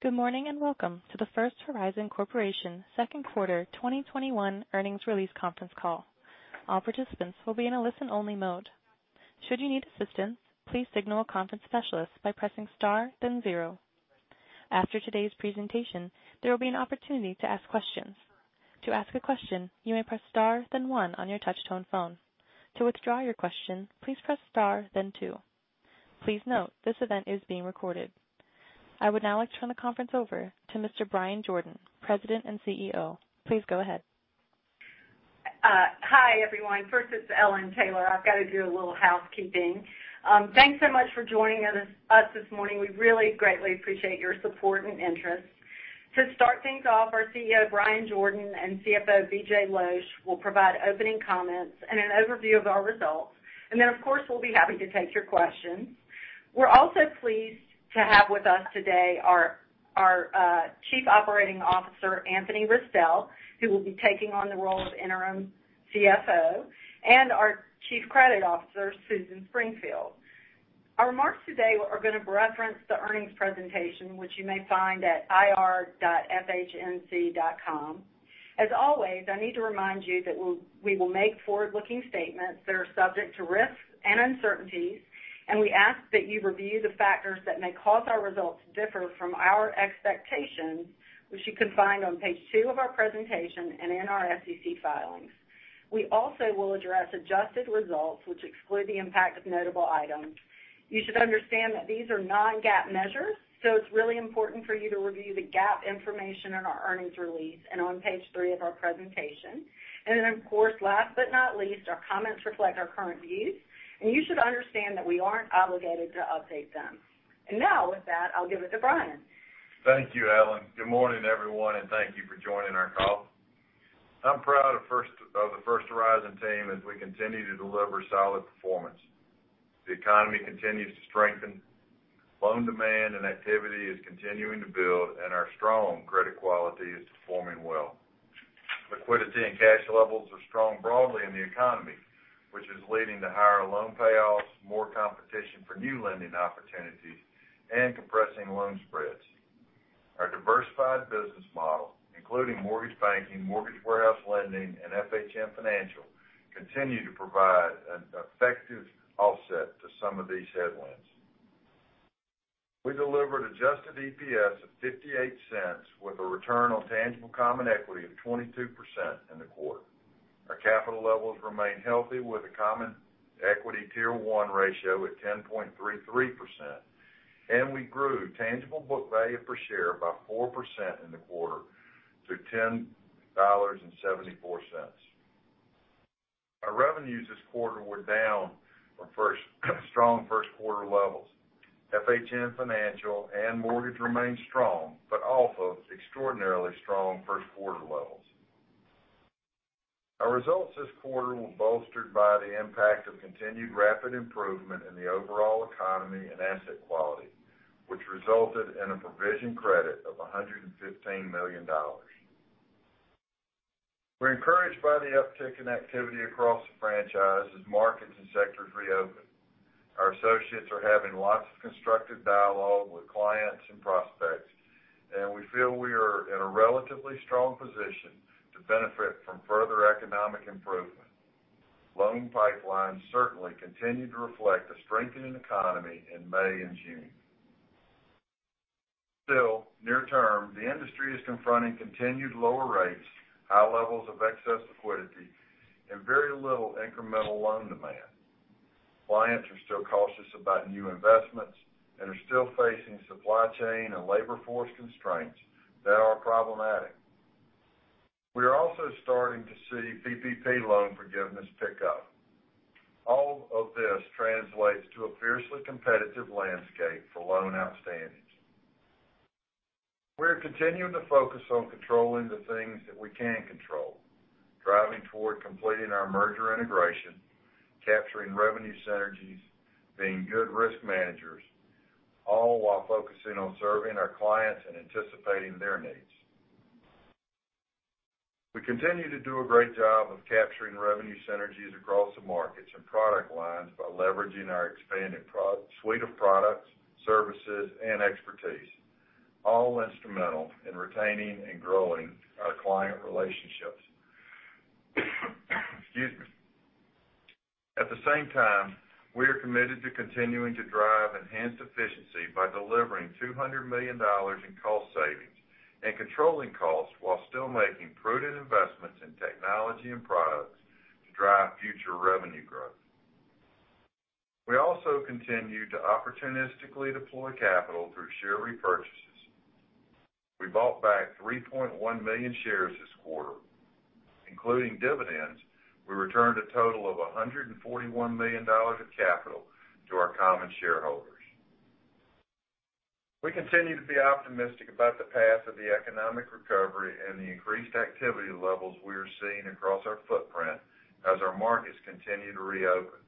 Good morning. Welcome to the First Horizon Corporation second quarter 2021 earnings release conference call. All participants will be in a listen-only mode. Should you need assistance, please signal a conference specialist by pressing star then zero. After today's presentation, there will be an opportunity to ask questions. To ask a question, you may press star then one on your touchtone phone. To withdraw your question, please press star then two. Please note, this event is being recorded. I would now like to turn the conference over to Mr. Bryan Jordan, President and CEO. Please go ahead. Hi, everyone. First, it's Ellen Taylor. I've got to do a little housekeeping. Thanks so much for joining us this morning. We really greatly appreciate your support and interest. To start things off, our CEO, Bryan Jordan, and CFO, BJ Losch, will provide opening comments and an overview of our results. Then, of course, we'll be happy to take your questions. We're also pleased to have with us today our Chief Operating Officer, Anthony Restel, who will be taking on the role of interim CFO, and our Chief Credit Officer, Susan Springfield. Our remarks today are going to reference the earnings presentation, which you may find at ir.fhnc.com. As always, I need to remind you that we will make forward-looking statements that are subject to risks and uncertainties, and we ask that you review the factors that may cause our results to differ from our expectations, which you can find on page two of our presentation and in our SEC filings. We also will address adjusted results, which exclude the impact of notable items. You should understand that these are non-GAAP measures, so it's really important for you to review the GAAP information in our earnings release and on page three of our presentation. Then, of course, last but not least, our comments reflect our current views, and you should understand that we aren't obligated to update them. Now with that, I'll give it to Bryan. Thank you, Ellen. Good morning, everyone, thank you for joining our call. I'm proud of the First Horizon team as we continue to deliver solid performance. The economy continues to strengthen. Loan demand and activity is continuing to build, our strong credit quality is performing well. Liquidity and cash levels are strong broadly in the economy, which is leading to higher loan payoffs, more competition for new lending opportunities, and compressing loan spreads. Our diversified business model, including mortgage banking, mortgage warehouse lending, and FHN Financial, continue to provide an effective offset to some of these headwinds. We delivered adjusted EPS of $0.58 with a return on tangible common equity of 22% in the quarter. Our capital levels remain healthy with a Common Equity Tier 1 ratio at 10.33%, we grew tangible book value per share by 4% in the quarter to $10.74. Our revenues this quarter were down from strong first quarter levels. FHN Financial and mortgage remained strong, but off of extraordinarily strong first quarter levels. Our results this quarter were bolstered by the impact of continued rapid improvement in the overall economy and asset quality, which resulted in a provision credit of $115 million. We're encouraged by the uptick in activity across the franchise as markets and sectors reopen. Our associates are having lots of constructive dialogue with clients and prospects, and we feel we are in a relatively strong position to benefit from further economic improvement. Loan pipelines certainly continued to reflect a strengthening economy in May and June. Near term, the industry is confronting continued lower rates, high levels of excess liquidity, and very little incremental loan demand. Clients are still cautious about new investments and are still facing supply chain and labor force constraints that are problematic. We are also starting to see PPP loan forgiveness pick up. All of this translates to a fiercely competitive landscape for loan outstandings. We're continuing to focus on controlling the things that we can control, driving toward completing our merger integration, capturing revenue synergies, being good risk managers, all while focusing on serving our clients and anticipating their needs. We continue to do a great job of capturing revenue synergies across the markets and product lines by leveraging our expanded suite of products, services, and expertise, all instrumental in retaining and growing our client relationships. Excuse me. At the same time, we are committed to continuing to drive enhanced efficiency by delivering $200 million in cost savings and controlling costs while still making prudent investments in technology and products to drive future revenue growth. We also continue to opportunistically deploy capital through share repurchases. We bought back 3.1 million shares this quarter. Including dividends, we returned a total of $141 million of capital to our common shareholders. We continue to be optimistic about the path of the economic recovery and the increased activity levels we are seeing across our footprint as our markets continue to reopen.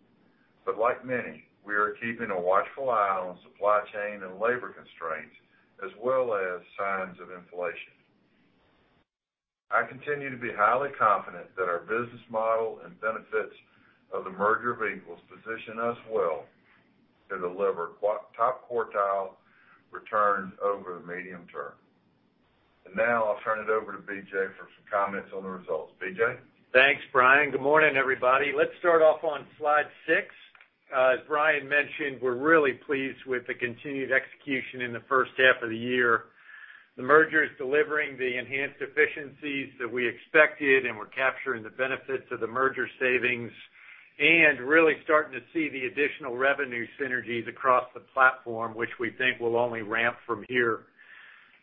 Like many, we are keeping a watchful eye on supply chain and labor constraints, as well as signs of inflation. I continue to be highly confident that our business model and benefits of the merger of equals position us well to deliver top quartile returns over the medium term. Now I'll turn it over to BJ for some comments on the results. BJ? Thanks, Bryan. Good morning, everybody. Let's start off on slide six. As Bryan mentioned, we're really pleased with the continued execution in the first half of the year. The merger is delivering the enhanced efficiencies that we expected, and we're capturing the benefits of the merger savings and really starting to see the additional revenue synergies across the platform, which we think will only ramp from here.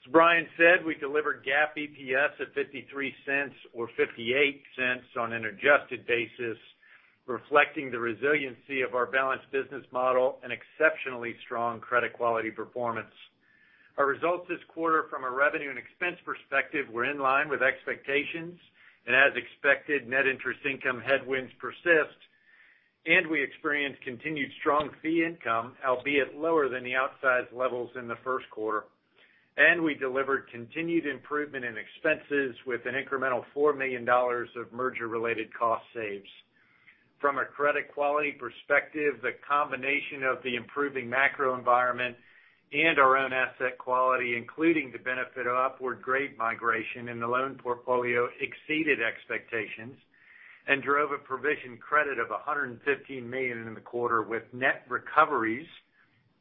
As Bryan said, we delivered GAAP EPS at $0.53 or $0.58 on an adjusted basis, reflecting the resiliency of our balanced business model and exceptionally strong credit quality performance. Our results this quarter from a revenue and expense perspective were in line with expectations. As expected, net interest income headwinds persist. We experienced continued strong fee income, albeit lower than the outsized levels in the first quarter. We delivered continued improvement in expenses with an incremental $4 million of merger-related cost saves. From a credit quality perspective, the combination of the improving macro environment and our own asset quality, including the benefit of upward grade migration in the loan portfolio, exceeded expectations and drove a provision credit of $115 million in the quarter with net recoveries,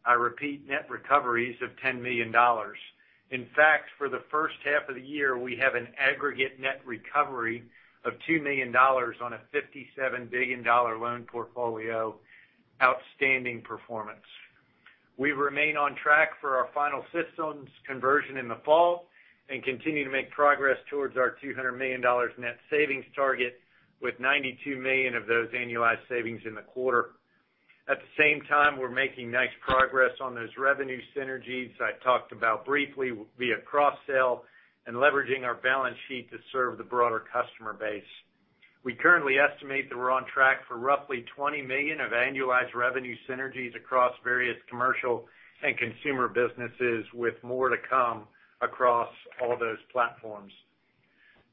I repeat, net recoveries of $10 million. In fact, for the first half of the year, we have an aggregate net recovery of $2 million on a $57 billion loan portfolio. Outstanding performance. We remain on track for our final systems conversion in the fall and continue to make progress towards our $200 million net savings target with $92 million of those annualized savings in the quarter. At the same time, we're making nice progress on those revenue synergies I talked about briefly via cross-sell and leveraging our balance sheet to serve the broader customer base. We currently estimate that we're on track for roughly $20 million of annualized revenue synergies across various commercial and consumer businesses, with more to come across all those platforms.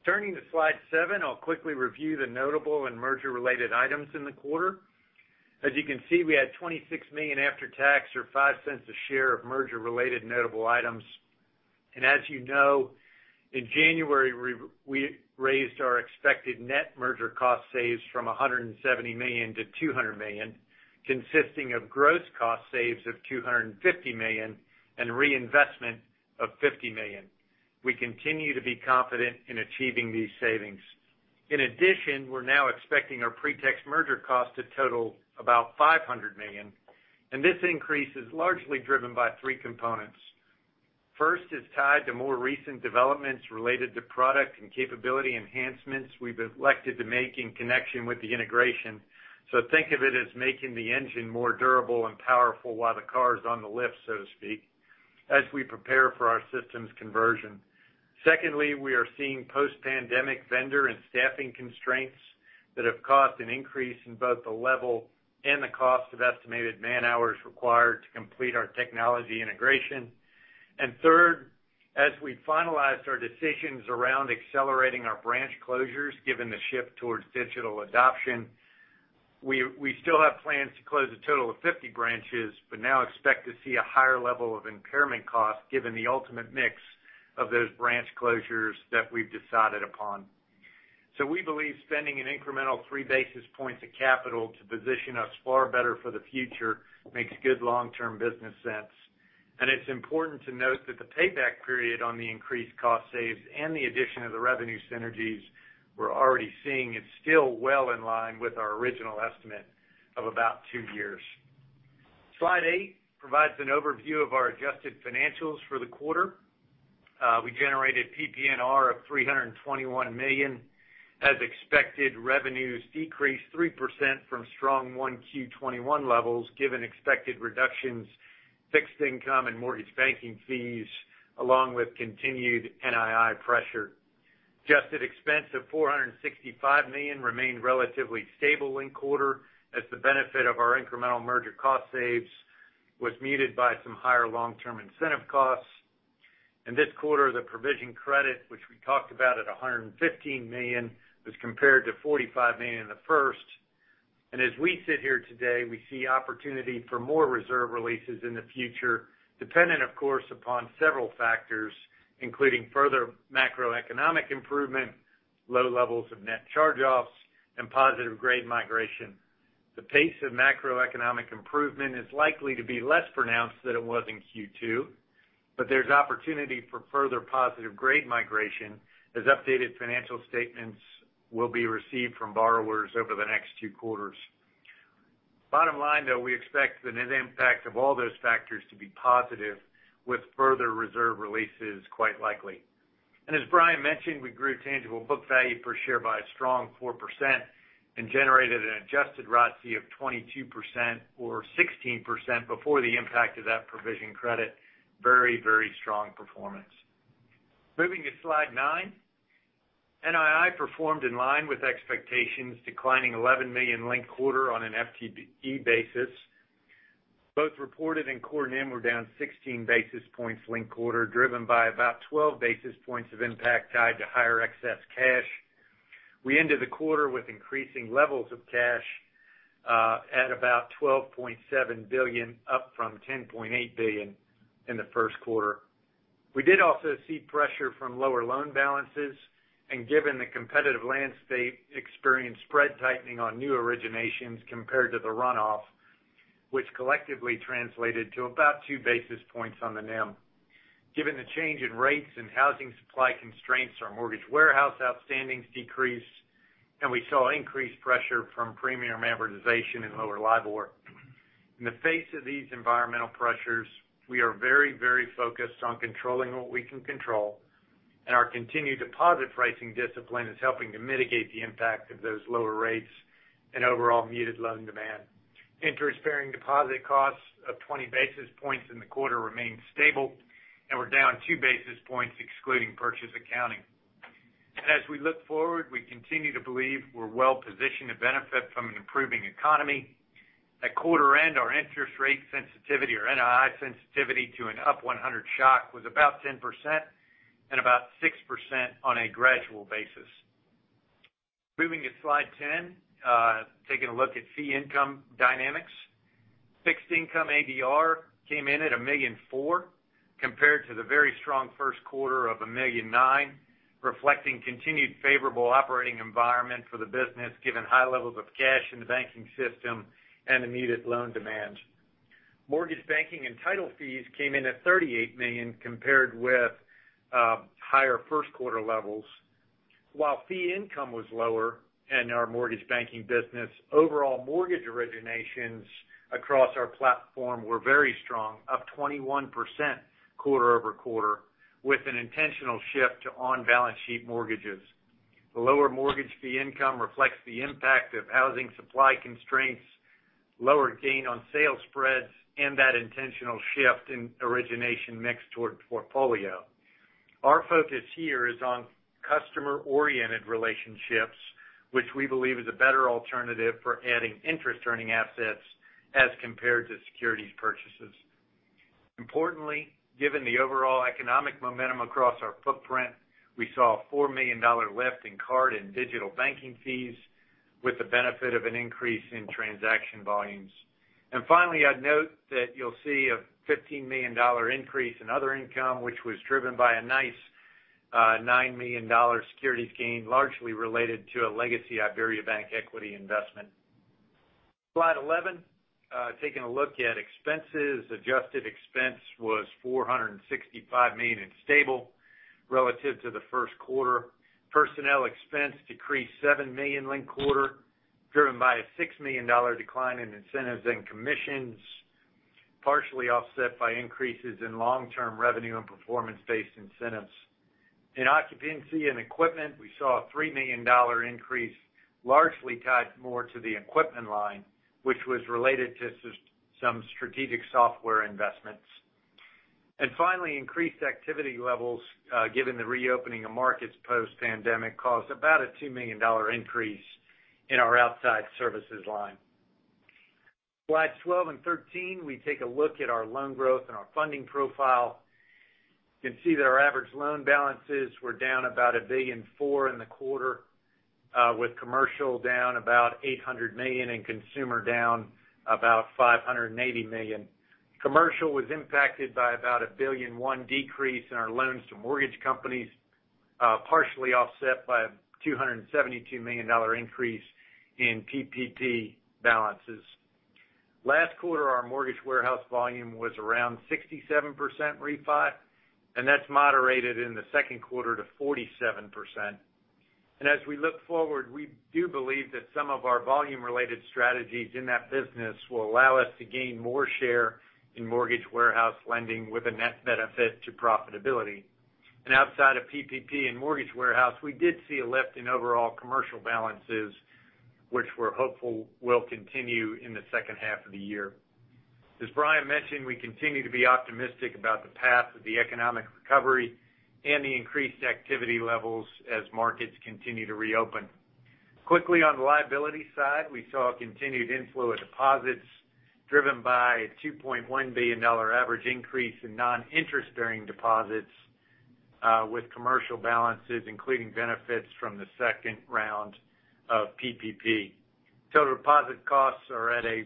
Turning to slide seven, I'll quickly review the notable and merger-related items in the quarter. As you can see, we had $26 million after tax or $0.05 a share of merger-related notable items. As you know, in January, we raised our expected net merger cost saves from $170 million to $200 million, consisting of gross cost saves of $250 million and reinvestment of $50 million. We continue to be confident in achieving these savings. In addition, we're now expecting our pre-tax merger cost to total about $500 million. This increase is largely driven by three components. First, it's tied to more recent developments related to product and capability enhancements we've elected to make in connection with the integration. Think of it as making the engine more durable and powerful while the car is on the lift, so to speak, as we prepare for our systems conversion. Secondly, we are seeing post-pandemic vendor and staffing constraints that have caused an increase in both the level and the cost of estimated man-hours required to complete our technology integration. Third, as we finalized our decisions around accelerating our branch closures, given the shift towards digital adoption, we still have plans to close a total of 50 branches, but now expect to see a higher level of impairment costs given the ultimate mix of those branch closures that we've decided upon. We believe spending an incremental 3 basis points of capital to position us far better for the future makes good long-term business sense. It's important to note that the payback period on the increased cost saves and the addition of the revenue synergies we're already seeing is still well in line with our original estimate of about two years. Slide eight provides an overview of our adjusted financials for the quarter. We generated PPNR of $321 million. As expected, revenues decreased 3% from strong 1Q 2021 levels given expected reductions, fixed income, and mortgage banking fees, along with continued NII pressure. Adjusted expense of $465 million remained relatively stable in quarter as the benefit of our incremental merger cost saves was muted by some higher long-term incentive costs. In this quarter, the provision credit, which we talked about at $115 million, was compared to $45 million in the first. As we sit here today, we see opportunity for more reserve releases in the future, dependent, of course, upon several factors, including further macroeconomic improvement, low levels of net charge-offs, and positive grade migration. The pace of macroeconomic improvement is likely to be less pronounced than it was in Q2, but there's opportunity for further positive grade migration as updated financial statements will be received from borrowers over the next two quarters. Bottom line, though, we expect the net impact of all those factors to be positive with further reserve releases quite likely. As Bryan mentioned, we grew tangible book value per share by a strong 4% and generated an adjusted ROTCE of 22% or 16% before the impact of that provision credit. Very strong performance. Moving to slide nine. NII performed in line with expectations, declining $11 million linked quarter on an FTE basis. Both reported and core NIM were down 16 basis points linked quarter, driven by about 12 basis points of impact tied to higher excess cash. We ended the quarter with increasing levels of cash at about $12.7 billion, up from $10.8 billion in the 1st quarter. We did also see pressure from lower loan balances, and given the competitive landscape experienced spread tightening on new originations compared to the runoff, which collectively translated to about 2 basis points on the NIM. Given the change in rates and housing supply constraints to our mortgage warehouse outstandings decreased, and we saw increased pressure from premium amortization and lower LIBOR. In the face of these environmental pressures, we are very focused on controlling what we can control, and our continued deposit pricing discipline is helping to mitigate the impact of those lower rates and overall muted loan demand. Interest-bearing deposit costs of 20 basis points in the quarter remain stable, and we're down 2 basis points excluding purchase accounting. As we look forward, we continue to believe we're well positioned to benefit from an improving economy. At quarter end, our interest rate sensitivity or NII sensitivity to an up 100 shock was about 10% and about 6% on a gradual basis. Moving to slide 10, taking a look at fee income dynamics. Fixed income ADR came in at $1.4 million compared to the very strong first quarter of $1.9 million, reflecting continued favorable operating environment for the business given high levels of cash in the banking system and the muted loan demand. Mortgage banking and title fees came in at $38 million compared with higher first quarter levels. While fee income was lower in our mortgage banking business, overall mortgage originations across our platform were very strong, up 21% quarter-over-quarter with an intentional shift to on-balance sheet mortgages. The lower mortgage fee income reflects the impact of housing supply constraints, lower gain on sale spreads, and that intentional shift in origination mix toward portfolio. Our focus here is on customer-oriented relationships, which we believe is a better alternative for adding interest earning assets as compared to securities purchases. Importantly, given the overall economic momentum across our footprint, we saw a $4 million lift in card and digital banking fees with the benefit of an increase in transaction volumes. Finally, I'd note that you'll see a $15 million increase in other income, which was driven by a nice $9 million securities gain, largely related to a legacy IberiaBank equity investment. Slide 11. Taking a look at expenses. Adjusted expense was $465 million and stable relative to the first quarter. Personnel expense decreased $7 million linked quarter, driven by a $6 million decline in incentives and commissions, partially offset by increases in long-term revenue and performance-based incentives. In occupancy and equipment, we saw a $3 million increase, largely tied more to the equipment line, which was related to some strategic software investments. Finally, increased activity levels, given the reopening of markets post-pandemic, caused about a $2 million increase in our outside services line. Slides 12 and 13, we take a look at our loan growth and our funding profile. You can see that our average loan balances were down about $1.4 billion in the quarter, with commercial down about $800 million and consumer down about $580 million. Commercial was impacted by about a $1.1 billion decrease in our loans to mortgage companies, partially offset by a $272 million increase in PPP balances. Last quarter, our mortgage warehouse volume was around 67% refi. That's moderated in the second quarter to 47%. As we look forward, we do believe that some of our volume-related strategies in that business will allow us to gain more share in mortgage warehouse lending with a net benefit to profitability. Outside of PPP and mortgage warehouse, we did see a lift in overall commercial balances, which we're hopeful will continue in the second half of the year. As Bryan mentioned, we continue to be optimistic about the path of the economic recovery and the increased activity levels as markets continue to reopen. Quickly on the liability side, we saw a continued inflow of deposits driven by a $2.1 billion average increase in non-interest-bearing deposits with commercial balances, including benefits from the second round of PPP. Total deposit costs are at a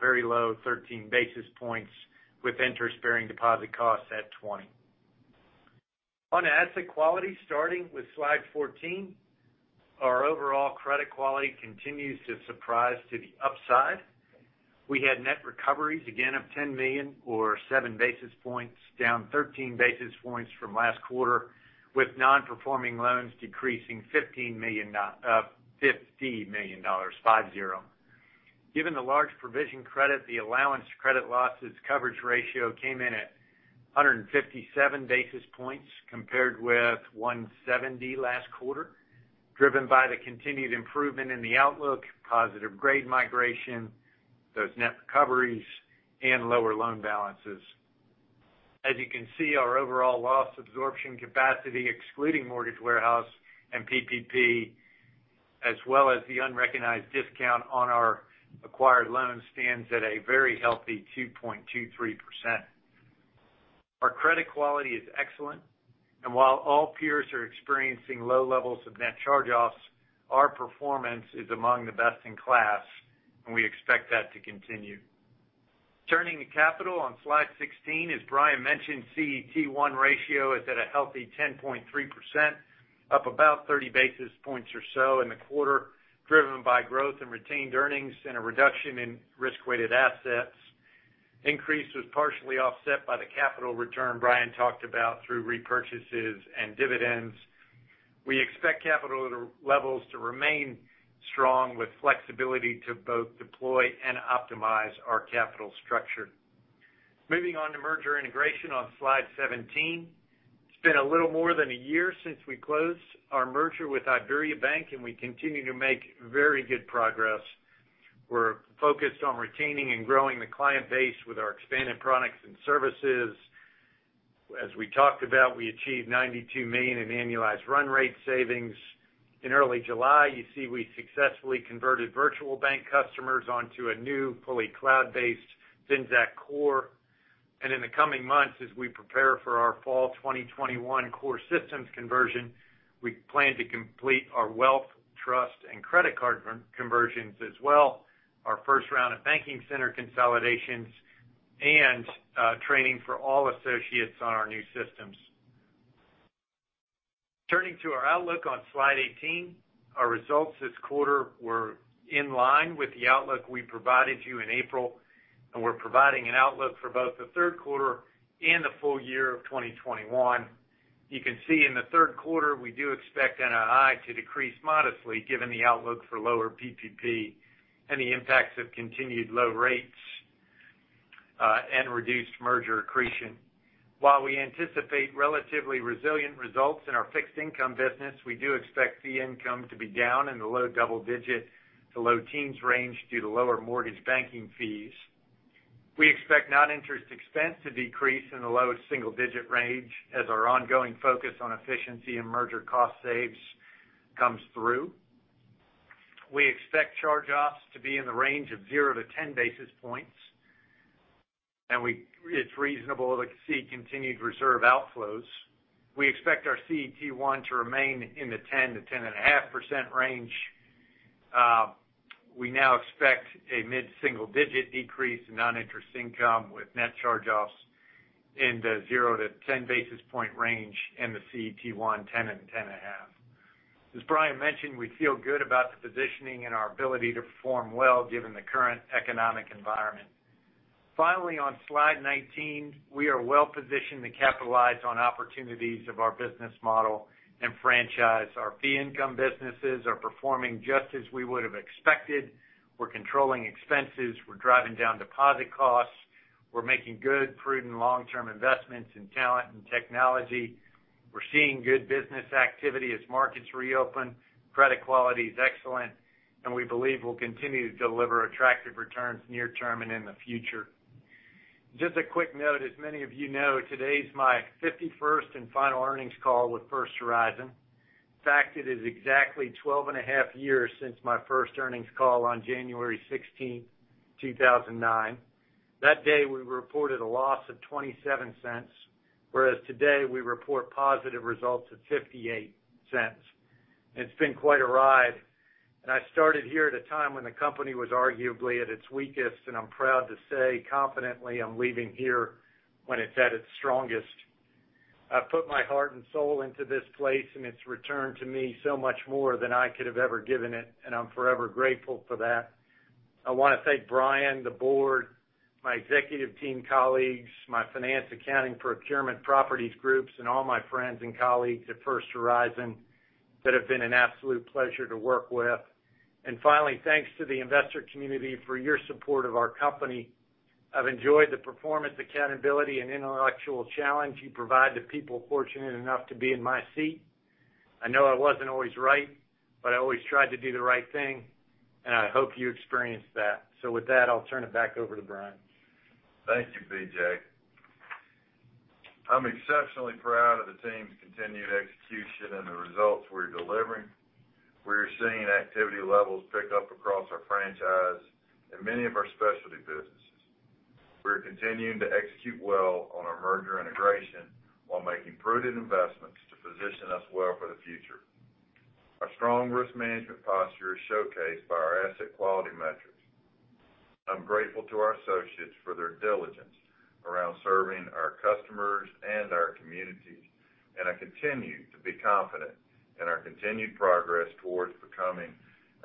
very low 13 basis points, with interest-bearing deposit costs at 20. On asset quality, starting with slide 14, our overall credit quality continues to surprise to the upside. We had net recoveries again of $10 million or 7 basis points, down 13 basis points from last quarter, with non-performing loans decreasing $50 million, 50. Given the large provision credit, the allowance to credit losses coverage ratio came in at 157 basis points compared with 170 last quarter, driven by the continued improvement in the outlook, positive grade migration, those net recoveries, and lower loan balances. As you can see, our overall loss absorption capacity, excluding Mortgage Warehouse and PPP, as well as the unrecognized discount on our acquired loan, stands at a very healthy 2.23%. Our credit quality is excellent, and while all peers are experiencing low levels of net charge-offs, our performance is among the best in class, and we expect that to continue. Turning to capital on slide 16, as Bryan Jordan mentioned, CET1 ratio is at a healthy 10.3%, up about 30 basis points or so in the quarter, driven by growth in retained earnings and a reduction in risk-weighted assets. Increase was partially offset by the capital return Bryan Jordan talked about through repurchases and dividends. We expect capital levels to remain strong with flexibility to both deploy and optimize our capital structure. Moving on to merger integration on slide 17. It's been a little more than a year since we closed our merger with IberiaBank, and we continue to make very good progress. We're focused on retaining and growing the client base with our expanded products and services. As we talked about, we achieved 92 million in annualized run rate savings. In early July, you see we successfully converted VirtualBank customers onto a new fully cloud-based Finxact core. In the coming months, as we prepare for our fall 2021 core systems conversion, we plan to complete our wealth, trust, and credit card conversions as well, our first round of banking center consolidations, and training for all associates on our new systems. Turning to our outlook on slide 18. Our results this quarter were in line with the outlook we provided you in April, and we're providing an outlook for both the third quarter and the full year of 2021. You can see in the third quarter, we do expect NII to decrease modestly, given the outlook for lower PPP and the impacts of continued low rates, and reduced merger accretion. While we anticipate relatively resilient results in our fixed income business, we do expect fee income to be down in the low double-digit to low teens range due to lower mortgage banking fees. We expect non-interest expense to decrease in the low single-digit range as our ongoing focus on efficiency and merger cost saves comes through. We expect charge-offs to be in the range of 0-10 basis points. It's reasonable to see continued reserve outflows. We expect our CET1 to remain in the 10%-10.5% range. We now expect a mid-single-digit decrease in non-interest income with net charge-offs in the 0-10 basis point range, and the CET1, 10% and 10.5%. As Bryan mentioned, we feel good about the positioning and our ability to perform well given the current economic environment. Finally, on slide 19, we are well positioned to capitalize on opportunities of our business model and franchise. Our fee income businesses are performing just as we would have expected. We're controlling expenses. We're driving down deposit costs. We're making good prudent long-term investments in talent and technology. We're seeing good business activity as markets reopen. Credit quality is excellent, and we believe we'll continue to deliver attractive returns near term and in the future. Just a quick note, as many of you know, today is my 51st and final earnings call with First Horizon. In fact, it is exactly 12 and a half years since my first earnings call on January 16, 2009. That day, we reported a loss of $0.27, whereas today, we report positive results of $0.58. It's been quite a ride. I started here at a time when the company was arguably at its weakest, and I'm proud to say confidently, I'm leaving here when it's at its strongest. I've put my heart and soul into this place, and it's returned to me so much more than I could have ever given it, and I'm forever grateful for that. I want to thank Bryan, the board, my executive team colleagues, my finance, accounting, procurement, properties groups, and all my friends and colleagues at First Horizon that have been an absolute pleasure to work with. Finally, thanks to the investor community for your support of our company. I've enjoyed the performance, accountability, and intellectual challenge you provide to people fortunate enough to be in my seat. I know I wasn't always right, but I always tried to do the right thing, and I hope you experienced that. With that, I'll turn it back over to Bryan Jordan. Thank you, BJ. I'm exceptionally proud of the team's continued execution and the results we're delivering. We are seeing activity levels pick up across our franchise in many of our specialty businesses. We are continuing to execute well on our merger integration while making prudent investments to position us well for the future. Our strong risk management posture is showcased by our asset quality metrics. I'm grateful to our associates for their diligence around serving our customers and our communities, I continue to be confident in our continued progress towards becoming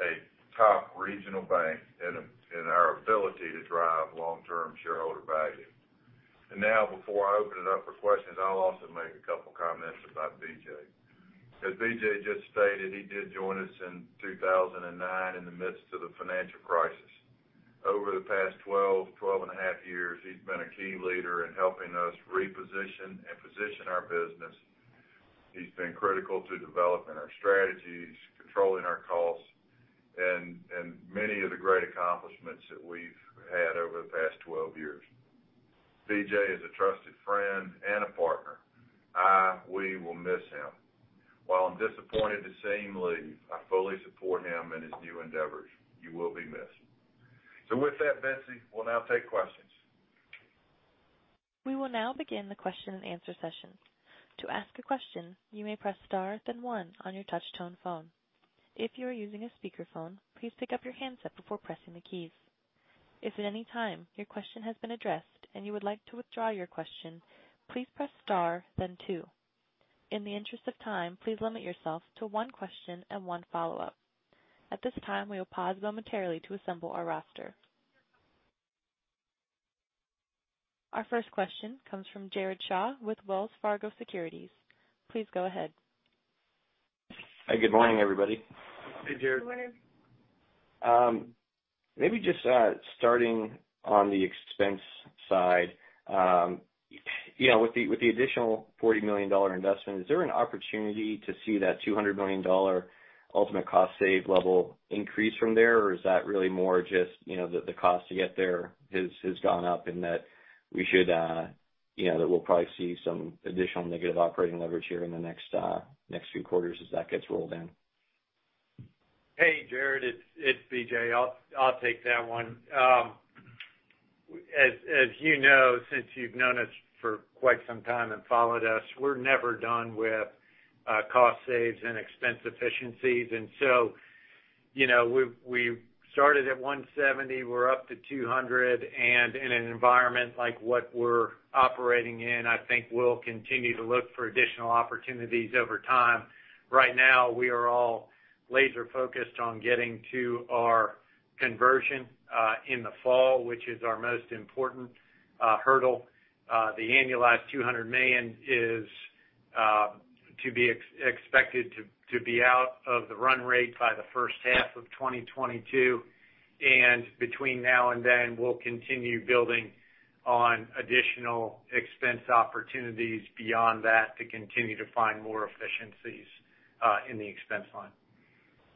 a top regional bank and in our ability to drive long-term shareholder value. Now, before I open it up for questions, I'll also make a couple of comments about BJ. As BJ just stated, he did join us in 2009 in the midst of the financial crisis. Over the past 12 and a half years, he's been a key leader in helping us reposition and position our business. He's been critical to developing our strategies, controlling our costs, and many of the great accomplishments that we've had over the past 12 years. BJ is a trusted friend and a partner. We will miss him. While I'm disappointed to see him leave, I fully support him in his new endeavors. You will be missed. With that, Betsy, we'll now take questions. We will now begin the question and answer session. To ask a question, you may press star then one on your touchtone phone. If you are using a speakerphone, please pick up your handset before pressing the key. If at any time your question has been addressed and you would like to withdraw your question, please press star then two. In the interest of time, please limit yourself to one question and one follow-up. At this time, we will pause momentarily to assemble our roster. Our first question comes from Jared Shaw with Wells Fargo Securities. Please go ahead. Hi, good morning, everybody. Hey, Jared. Good morning. Maybe just starting on the expense side. With the additional $40 million investment, is there an opportunity to see that $200 million ultimate cost save level increase from there? Is that really more just that the cost to get there has gone up, and that we'll probably see some additional negative operating leverage here in the next few quarters as that gets rolled in? Hey, Jared, it's BJ. I'll take that one. As you know, since you've known us for quite some time and followed us, we're never done with cost saves and expense efficiencies. We started at 170, we're up to 200, and in an environment like what we're operating in, I think we'll continue to look for additional opportunities over time. Right now, we are all laser focused on getting to our conversion in the fall, which is our most important hurdle. The annualized 200 million is expected to be out of the run rate by the first half of 2022. Between now and then, we'll continue building on additional expense opportunities beyond that to continue to find more efficiencies in the expense line.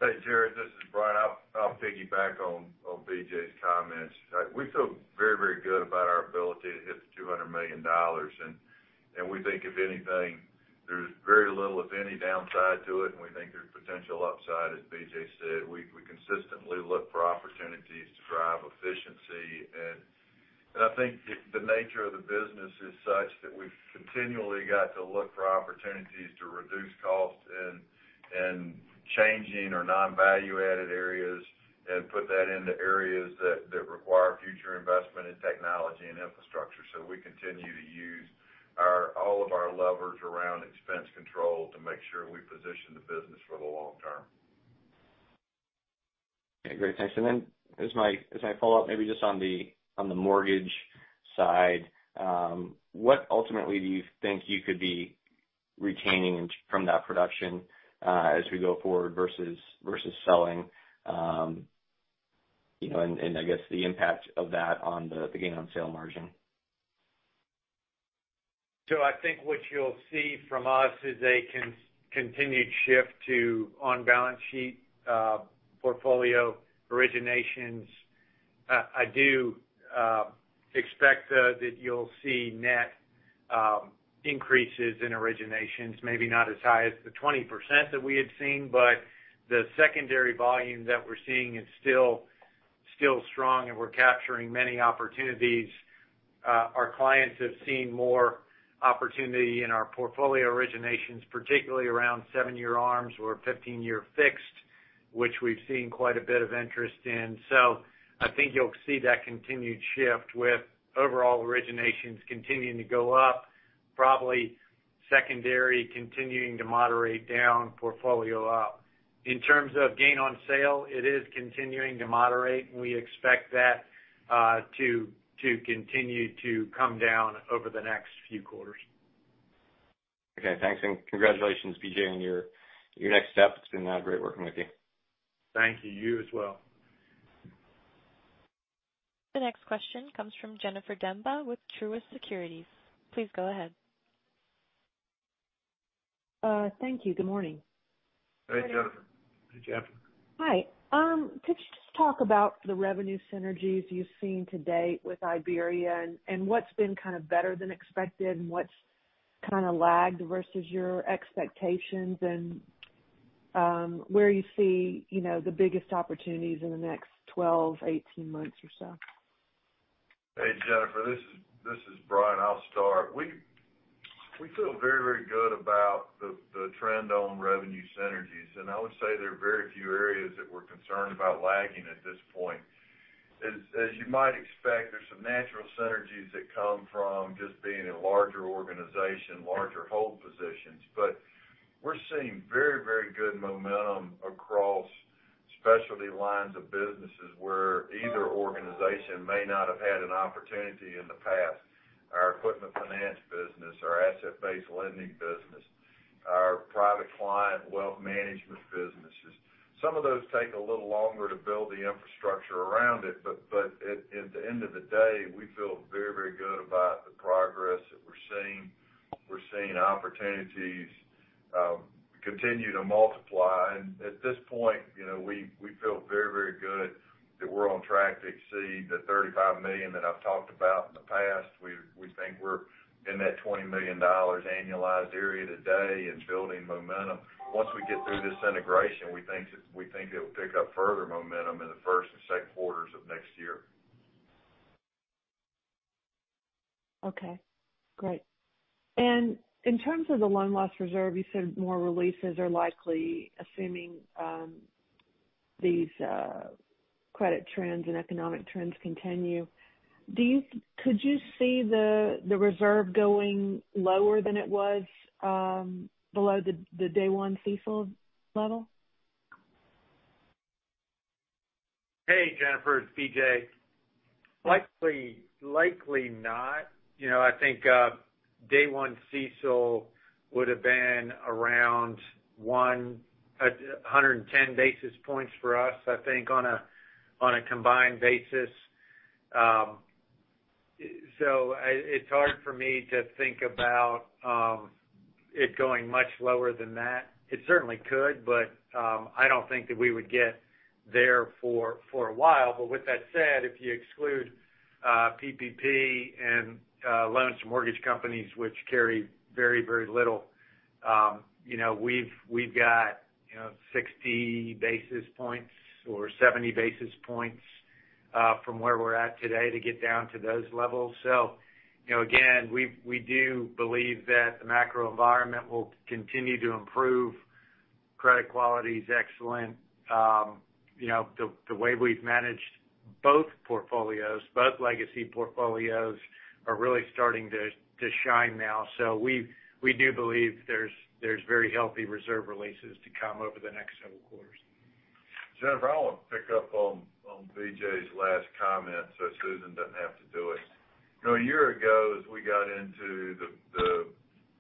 Hey, Jared, this is Bryan. I'll piggyback on BJ's comments. We feel very good about our ability to hit the $200 million. We think, if anything, there's very little, if any, downside to it. We think there's potential upside. As BJ said, we consistently look for opportunities to drive efficiency. I think the nature of the business is such that we've continually got to look for opportunities to reduce costs in changing or non-value added areas and put that into areas that require future investment in technology and infrastructure. We continue to use all of our levers around expense control to make sure we position the business for the long term. Okay, great. Thanks. As my follow-up, maybe just on the mortgage side, what ultimately do you think you could be retaining from that production as we go forward versus selling? I guess the impact of that on the gain on sale margin? I think what you'll see from us is a continued shift to on-balance sheet portfolio originations. I do expect that you'll see net increases in originations, maybe not as high as the 20% that we had seen, but the secondary volume that we're seeing is still strong, and we're capturing many opportunities. Our clients have seen more opportunity in our portfolio originations, particularly around 7-year ARMs or 15-year fixed, which we've seen quite a bit of interest in. I think you'll see that continued shift with overall originations continuing to go up, probably secondary continuing to moderate down, portfolio up. In terms of gain on sale, it is continuing to moderate, and we expect that to continue to come down over the next few quarters. Okay, thanks, and congratulations, BJ, on your next step. It's been great working with you. Thank you. You as well. The next question comes from Jennifer Demba with Truist Securities. Please go ahead. Thank you. Good morning. Hey, Jennifer. Hey, Jennifer. Hi. Could you just talk about the revenue synergies you've seen to date with Iberia, what's been kind of better than expected, what's kind of lagged versus your expectations, and where you see the biggest opportunities in the next 12, 18 months or so? Hey, Jennifer. This is Bryan. I'll start. We feel very good about the trend on revenue synergies, and I would say there are very few areas that we're concerned about lagging at this point. As you might expect, there's some natural synergies that come from just being a larger organization, larger hold positions. We're seeing very good momentum across specialty lines of businesses where either organization may not have had an opportunity in the past, our equipment finance business, our asset-based lending business, our private client wealth management businesses. Some of those take a little longer to build the infrastructure around it, but at the end of the day, we feel very good about the progress that we're seeing. We're seeing opportunities continue to multiply. At this point, we feel very good that we're on track to exceed the $35 million that I've talked about in the past. We think we're in that $20 million annualized area today and building momentum. Once we get through this integration, we think it'll pick up further momentum in the first and second quarters of next year. Okay, great. In terms of the loan loss reserve, you said more releases are likely, assuming these credit trends and economic trends continue. Could you see the reserve going lower than it was below the day one CECL level? Hey, Jennifer, it's BJ. Likely not. I think day one CECL would've been around 110 basis points for us, I think, on a combined basis. It's hard for me to think about it going much lower than that. It certainly could, but I don't think that we would get there for a while. With that said, if you exclude PPP and loans to mortgage companies, which carry very little, we've got 60 basis points or 70 basis points from where we're at today to get down to those levels. Again, we do believe that the macro environment will continue to improve. Credit quality is excellent. The way we've managed both portfolios, both legacy portfolios, are really starting to shine now. We do believe there's very healthy reserve releases to come over the next several quarters. Jennifer, I want to pick up on BJ's last comment so Susan doesn't have to do it. A year ago, as we got into the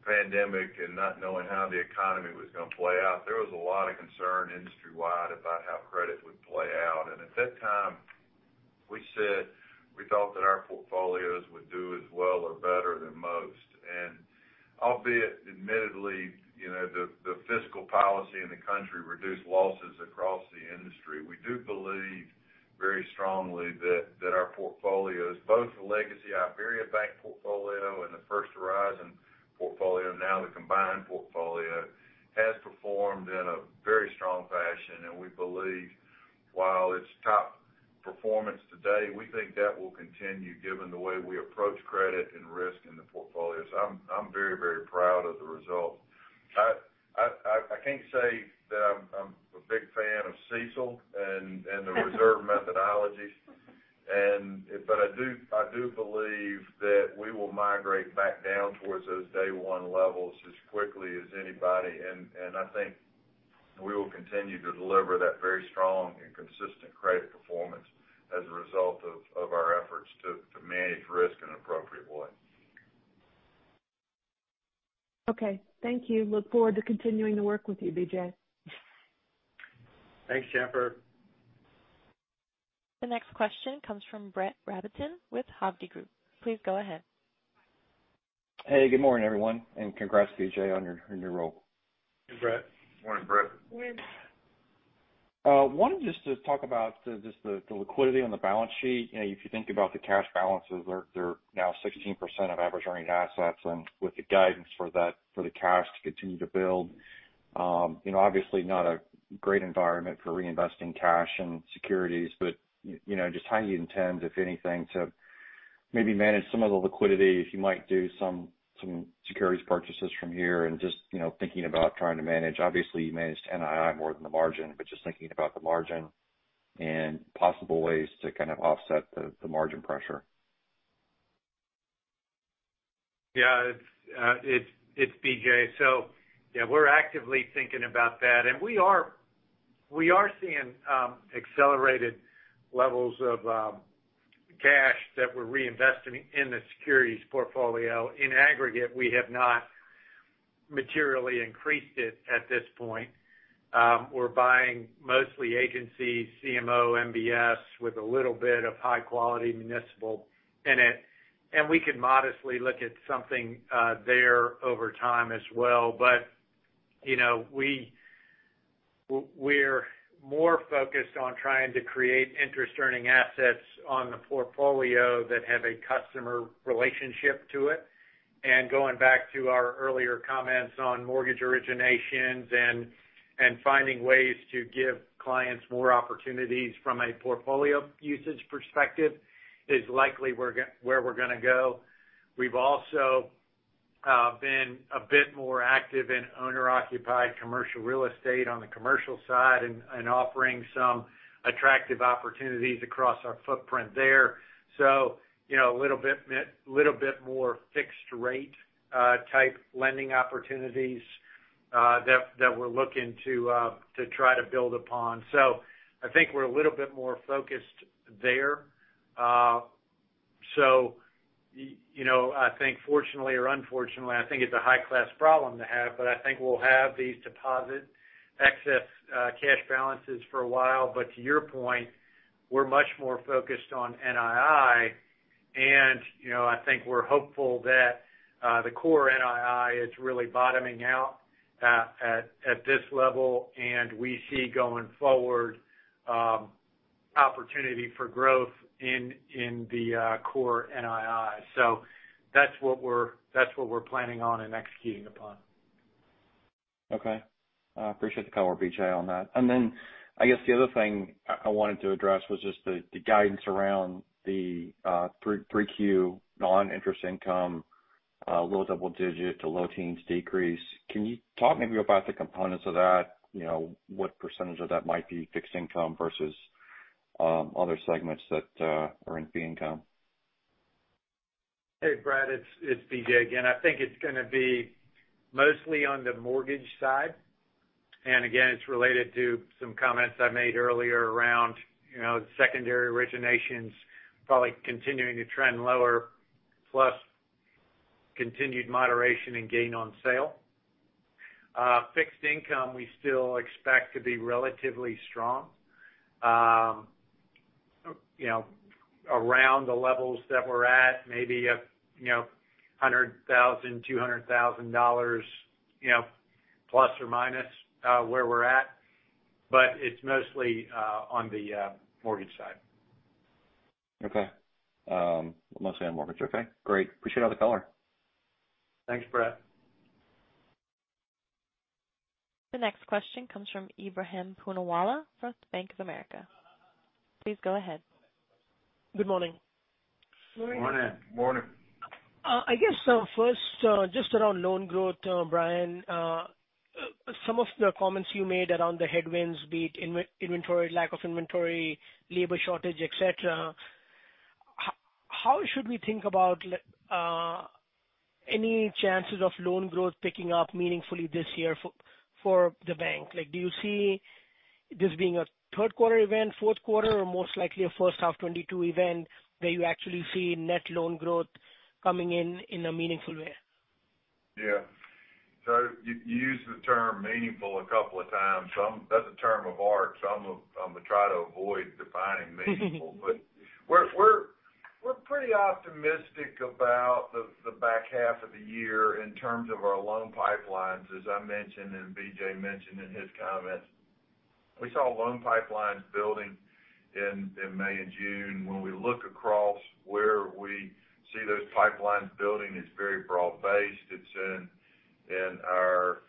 pandemic and not knowing how the economy was going to play out, there was a lot of concern industry-wide about how credit would play out. At that time, we said we thought that our portfolios would do as well or better than most. Albeit admittedly, the fiscal policy in the country reduced losses across the industry. We do believe very strongly that our portfolios, both the legacy IberiaBank portfolio and the First Horizon portfolio, now the combined portfolio, has performed in a very strong fashion, and we believe while it's top performance today, we think that will continue given the way we approach credit and risk in the portfolios. I'm very proud of the result. I can't say that I'm a big fan of CECL and the reserve methodology. I do believe that we will migrate back down towards those day-one levels as quickly as anybody, and I think we will continue to deliver that very strong and consistent credit performance as a result of our efforts to manage risk in an appropriate way. Okay. Thank you. Look forward to continuing to work with you, BJ. Thanks, Jennifer. The next question comes from Brett Rabatin with Hovde Group. Please go ahead. Hey, good morning, everyone. Congrats, BJ, on your new role. Hey, Brett. Morning, Brett. Morning. Wanted just to talk about just the liquidity on the balance sheet. If you think about the cash balances, they're now 16% of average earning assets, and with the guidance for the cash to continue to build. Obviously not a great environment for reinvesting cash and securities. Just how you intend, if anything, to maybe manage some of the liquidity, if you might do some securities purchases from here, and just thinking about trying to manage? Obviously, you managed NII more than the margin. Just thinking about the margin and possible ways to kind of offset the margin pressure. It's BJ. We're actively thinking about that. We are seeing accelerated levels of cash that we're reinvesting in the securities portfolio. In aggregate, we have not materially increased it at this point. We're buying mostly agencies, CMO, MBS, with a little bit of high-quality municipal in it. We can modestly look at something there over time as well. We're more focused on trying to create interest-earning assets on the portfolio that have a customer relationship to it. Going back to our earlier comments on mortgage originations and finding ways to give clients more opportunities from a portfolio usage perspective is likely where we're going to go. We've also been a bit more active in owner-occupied commercial real estate on the commercial side and offering some attractive opportunities across our footprint there. A little bit more fixed rate type lending opportunities that we're looking to try to build upon. I think we're a little bit more focused there. I think fortunately or unfortunately, I think it's a high-class problem to have, but I think we'll have these deposit excess cash balances for a while. To your point, we're much more focused on NII, and I think we're hopeful that the core NII is really bottoming out at this level, and we see going forward, opportunity for growth in the core NII. That's what we're planning on and executing upon. Okay. I appreciate the color, BJ, on that. I guess the other thing I wanted to address was just the guidance around the 3Q non-interest income, low double digit to low teens decrease. Can you talk maybe about the components of that? What % of that might be fixed income versus other segments that are in fee income? Hey, Brett, it's BJ again. I think it's going to be mostly on the mortgage side. Again, it's related to some comments I made earlier around secondary originations probably continuing to trend lower, plus continued moderation in gain on sale. Fixed income, we still expect to be relatively strong around the levels that we're at, maybe $100,000, $200,000, ±, where we're at. It's mostly on the mortgage side. Okay. Mostly on mortgage. Okay, great. Appreciate all the color. Thanks, Brett. The next question comes from Ebrahim Poonawala from Bank of America. Please go ahead. Good morning. Morning. Morning. I guess first, just around loan growth, Bryan, some of the comments you made around the headwinds, be it inventory, lack of inventory, labor shortage, et cetera. How should we think about any chances of loan growth picking up meaningfully this year for the bank? Do you see this being a third quarter event, fourth quarter, or most likely a first half 2022 event where you actually see net loan growth coming in a meaningful way? Yeah. You used the term meaningful a couple of times. That's a term of art, so I'm going to try to avoid defining meaningful. We're pretty optimistic about the back half of the year in terms of our loan pipelines, as I mentioned, and BJ mentioned in his comments. We saw loan pipelines building in May and June. When we look across where we see those pipelines building, it's very broad-based. It's in our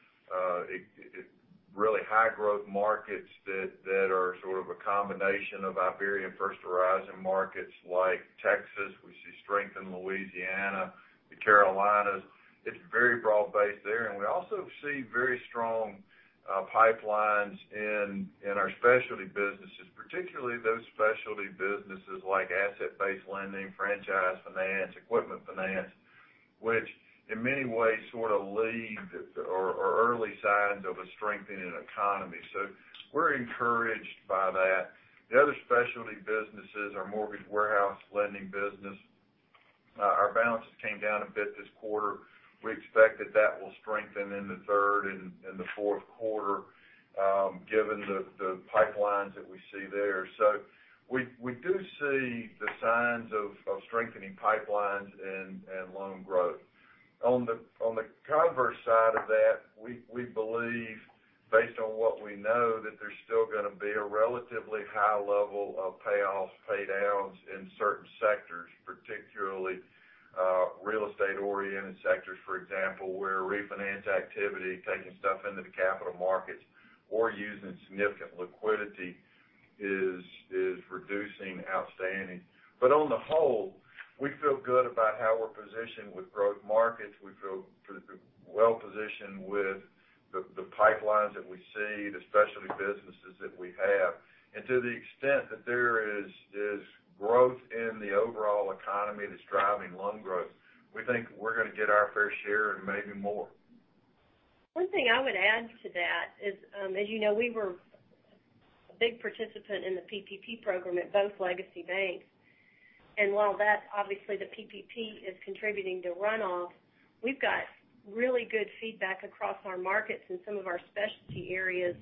really high growth markets that are sort of a combination of Iberia and First Horizon markets like Texas. We see strength in Louisiana, the Carolinas. It's very broad-based there. We also see very strong pipelines in our specialty businesses, particularly those specialty businesses like asset-based lending, franchise finance, equipment finance, which in many ways sort of lead or early signs of a strengthening economy. We're encouraged by that. The other specialty businesses, our mortgage warehouse lending business, our balances came down a bit this quarter. We expect that that will strengthen in the third and the fourth quarter, given the pipelines that we see there. We do see the signs of strengthening pipelines and loan growth. On the converse side of that, we believe, based on what we know, that there's still going to be a relatively high level of payoffs, pay downs in certain sectors, particularly real estate-oriented sectors, for example, where refinance activity, taking stuff into the capital markets or using significant liquidity is reducing outstanding. On the whole, we feel good about how we're positioned with growth markets. We feel well-positioned with the pipelines that we see, the specialty businesses that we have. To the extent that there is growth in the overall economy that's driving loan growth, we think we're going to get our fair share and maybe more. One thing I would add to that is, as you know, we were a big participant in the PPP program at both legacy banks. While that, obviously, the PPP is contributing to runoff, we've got really good feedback across our markets in some of our specialty areas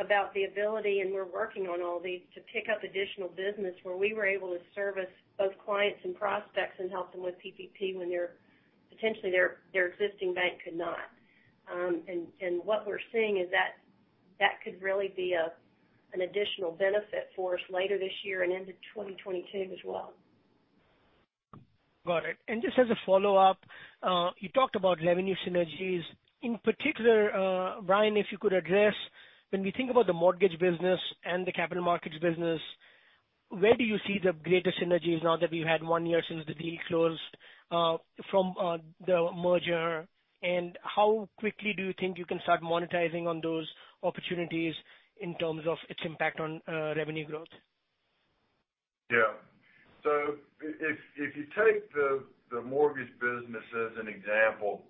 about the ability, and we're working on all these to pick up additional business where we were able to service both clients and prospects and help them with PPP when potentially their existing bank could not. What we're seeing is that could really be an additional benefit for us later this year and into 2022 as well. Got it. Just as a follow-up, you talked about revenue synergies. In particular, Bryan Jordan, if you could address, when we think about the mortgage business and the capital markets business, where do you see the greatest synergies now that we've had one year since the deal closed from the merger? And how quickly do you think you can start monetizing on those opportunities in terms of its impact on revenue growth? Yeah. If you take the mortgage business as an example.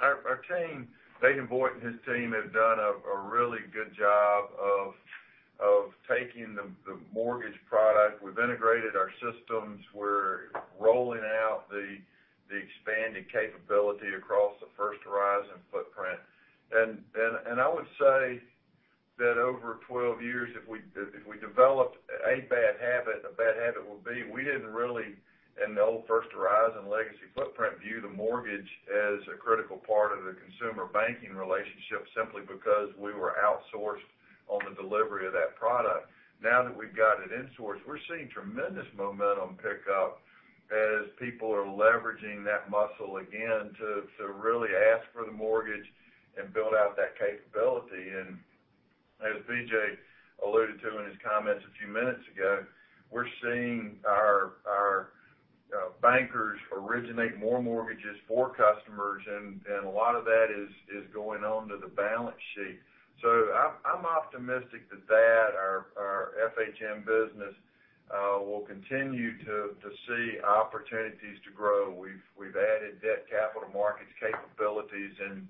Our team, Nathan Boyd and his team, have done a really good job of taking the mortgage product. We've integrated our systems. We're rolling out the expanded capability across the First Horizon footprint. I would say that over 12 years, if we developed a bad habit, the bad habit would be we didn't really, in the old First Horizon legacy footprint, view the mortgage as a critical part of the consumer banking relationship simply because we were outsourced on the delivery of that product. Now that we've got it insourced, we're seeing tremendous momentum pick up as people are leveraging that muscle again to really ask for the mortgage and build out that capability. As BJ already tell in his comments a few minutes ago, we're seeing our bankers originate more mortgages for customers, and a lot of that is going on to the balance sheet. I'm optimistic that our FHN business will continue to see opportunities to grow. We've added debt capital markets capabilities in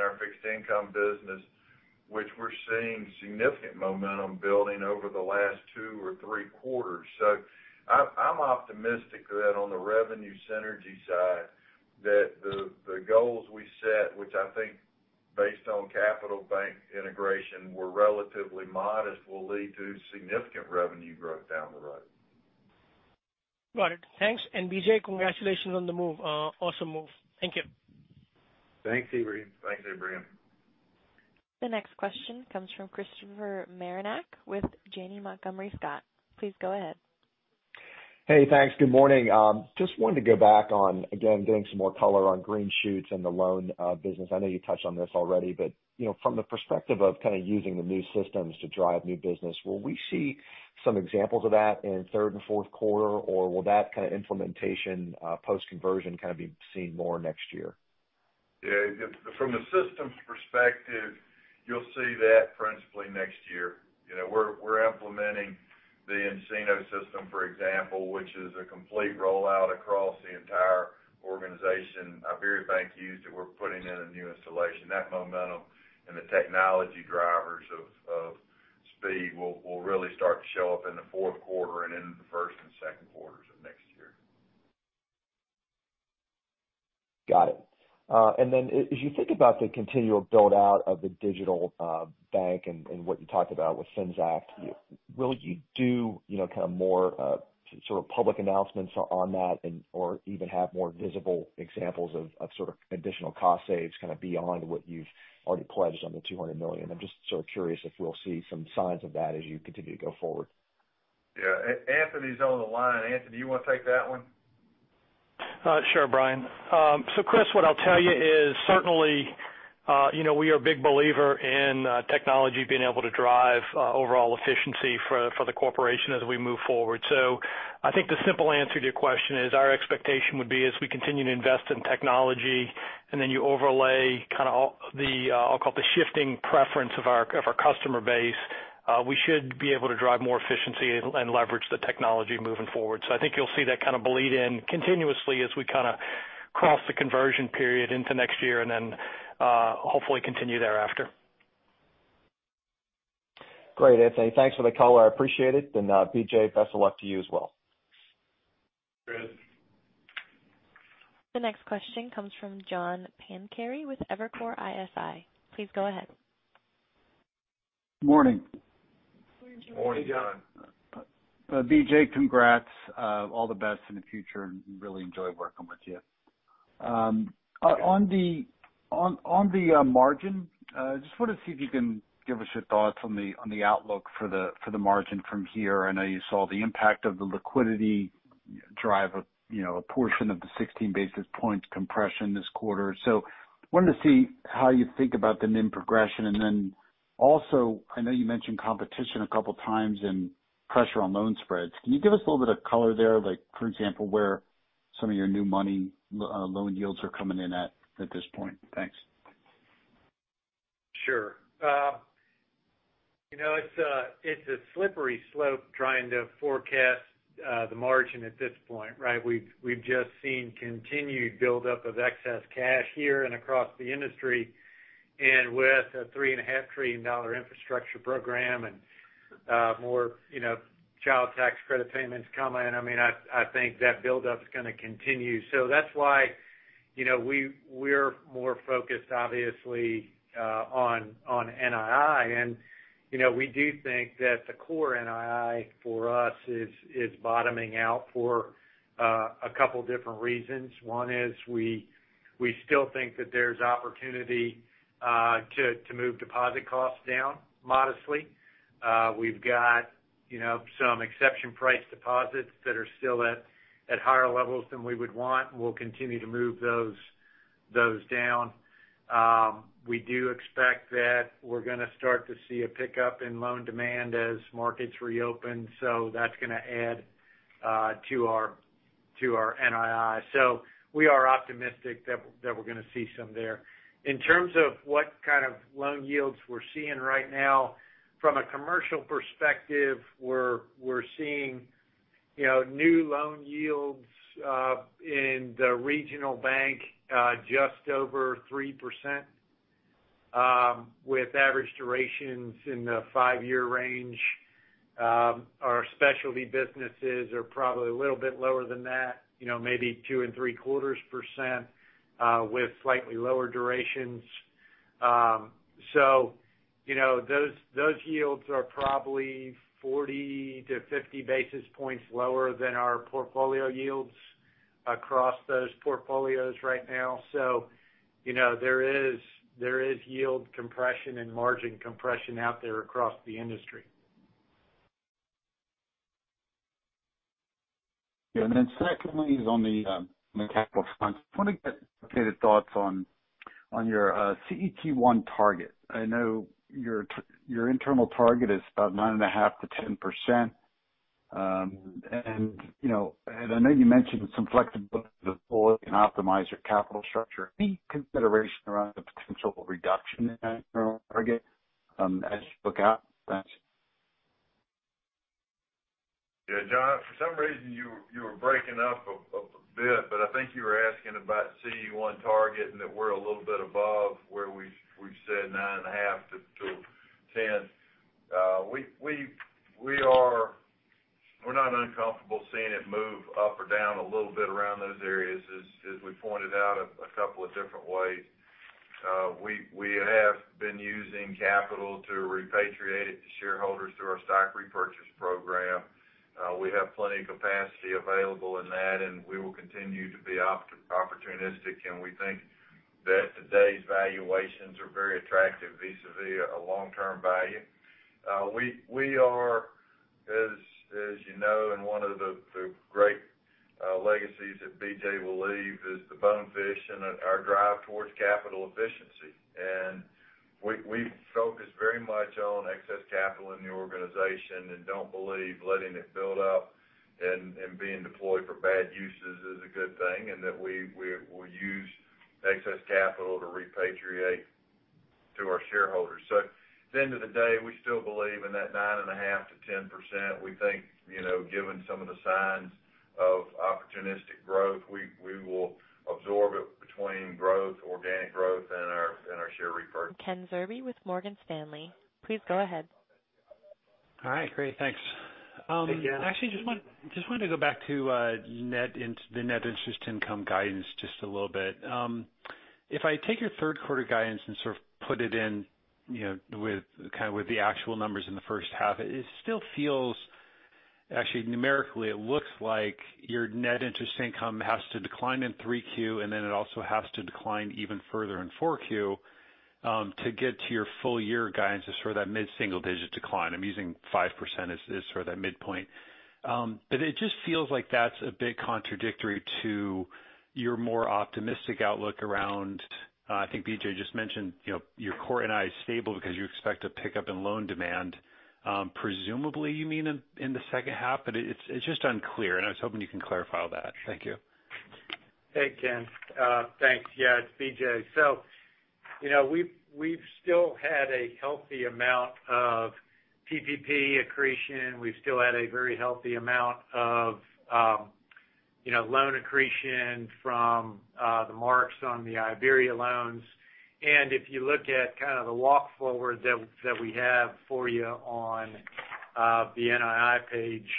our fixed income business, which we're seeing significant momentum building over the last two or three quarters. I'm optimistic that on the revenue synergy side, that the goals we set, which I think based on Capital Bank integration, were relatively modest, will lead to significant revenue growth down the road. Got it. Thanks. BJ, congratulations on the move. Awesome move. Thank you. Thanks, Ebrahim. The next question comes from Christopher Marinac with Janney Montgomery Scott. Please go ahead. Hey, thanks. Good morning. Just wanted to go back on, again, getting some more color on green shoots and the loan business. I know you touched on this already, from the perspective of kind of using the new systems to drive new business, will we see some examples of that in third and fourth quarter? Will that kind of implementation, post-conversion, kind of be seen more next year? Yeah. From the systems perspective, you'll see that principally next year. We're implementing the nCino system, for example, which is a complete rollout across the entire organization. IberiaBank used it. We're putting in a new installation. That momentum and the technology drivers of speed will really start to show up in the fourth quarter and into the first and second quarters of next year. Got it. As you think about the continual build-out of the digital bank and what you talked about with Finxact, will you do more sort of public announcements on that or even have more visible examples of additional cost saves beyond what you've already pledged on the $200 million? I'm just sort of curious if we'll see some signs of that as you continue to go forward. Yeah. Anthony's on the line. Anthony, you want to take that one? Sure, Bryan. Chris, what I'll tell you is certainly we are a big believer in technology being able to drive overall efficiency for the corporation as we move forward. I think the simple answer to your question is our expectation would be as we continue to invest in technology, and then you overlay kind of the, I'll call it, the shifting preference of our customer base, we should be able to drive more efficiency and leverage the technology moving forward. I think you'll see that kind of bleed in continuously as we kind of cross the conversion period into next year and then, hopefully continue thereafter. Great, Anthony. Thanks for the call. I appreciate it. BJ, best of luck to you as well. Thanks. The next question comes from John Pancari with Evercore ISI. Please go ahead. Morning. Morning, John. BJ, congrats. All the best in the future, really enjoyed working with you. On the margin, just want to see if you can give us your thoughts on the outlook for the margin from here. I know you saw the impact of the liquidity drive a portion of the 16 basis points compression this quarter. Wanted to see how you think about the NIM progression. Also, I know you mentioned competition a couple of times and pressure on loan spreads. Can you give us a little bit of color there, like for example, where some of your new money loan yields are coming in at this point? Thanks. Sure. It's a slippery slope trying to forecast the margin at this point, right? We've just seen continued buildup of excess cash here and across the industry. With a $3.5 trillion infrastructure program and more child tax credit payments coming in, I think that buildup's going to continue. That's why we're more focused, obviously, on NII. We do think that the core NII for us is bottoming out for a couple different reasons. One is we still think that there's opportunity to move deposit costs down modestly. We've got some exception price deposits that are still at higher levels than we would want, and we'll continue to move those down. We do expect that we're going to start to see a pickup in loan demand as markets reopen, so that's going to add to our NII. We are optimistic that we're going to see some there. In terms of what kind of loan yields we're seeing right now, from a commercial perspective, we're seeing New loan yields in the regional bank are just over 3% with average durations in the five-year range. Our specialty businesses are probably a little bit lower than that, maybe two and three-quarters %, with slightly lower durations. Those yields are probably 40 to 50 basis points lower than our portfolio yields across those portfolios right now. There is yield compression and margin compression out there across the industry. Yeah. Secondly, is on the capital front. I just want to get updated thoughts on your CET1 target. I know your internal target is about 9.5%-10%. I know you mentioned some flexibility to optimize your capital structure. Any consideration around the potential reduction in that target as you look out? Thanks. Yeah, John, for some reason, you were breaking up a bit, but I think you were asking about CET1 target, and that we're a little bit above where we said 9.5%-10%. We're not uncomfortable seeing it move up or down a little bit around those areas, as we pointed out a couple of different ways. We have been using capital to repatriate it to shareholders through our stock repurchase program. We have plenty of capacity available in that, and we will continue to be opportunistic, and we think that today's valuations are very attractive vis-a-vis a long-term value. We are, as you know, and one of the great legacies that BJ will leave is the Bonefish and our drive towards capital efficiency. We focus very much on excess capital in the organization and don't believe letting it build up and being deployed for bad uses is a good thing, and that we'll use excess capital to repatriate to our shareholders. At the end of the day, we still believe in that 9.5%-10%. We think, given some of the signs of opportunistic growth, we will absorb it between growth, organic growth, and our share repurchase. Ken Zerbe with Morgan Stanley. Please go ahead. All right. Great. Thanks. Hey, Ken. Just wanted to go back to the net interest income guidance just a little bit. If I take your third quarter guidance and put it in with the actual numbers in the first half, it still feels Actually, numerically, it looks like your net interest income has to decline in Q3, and then it also has to decline even further in Q4, to get to your full year guidance of that mid-single digit decline. I'm using 5% as sort of that midpoint. It just feels like that's a bit contradictory to your more optimistic outlook around, I think BJ Losch just mentioned, your core NII is stable because you expect a pickup in loan demand, presumably you mean in the second half, but it's just unclear, and I was hoping you can clarify that. Thank you. Hey, Ken. Thanks. Yeah, it's BJ. We've still had a healthy amount of PPP accretion. We've still had a very healthy amount of loan accretion from the marks on the Iberia loans. If you look at the walk forward that we have for you on the NII page,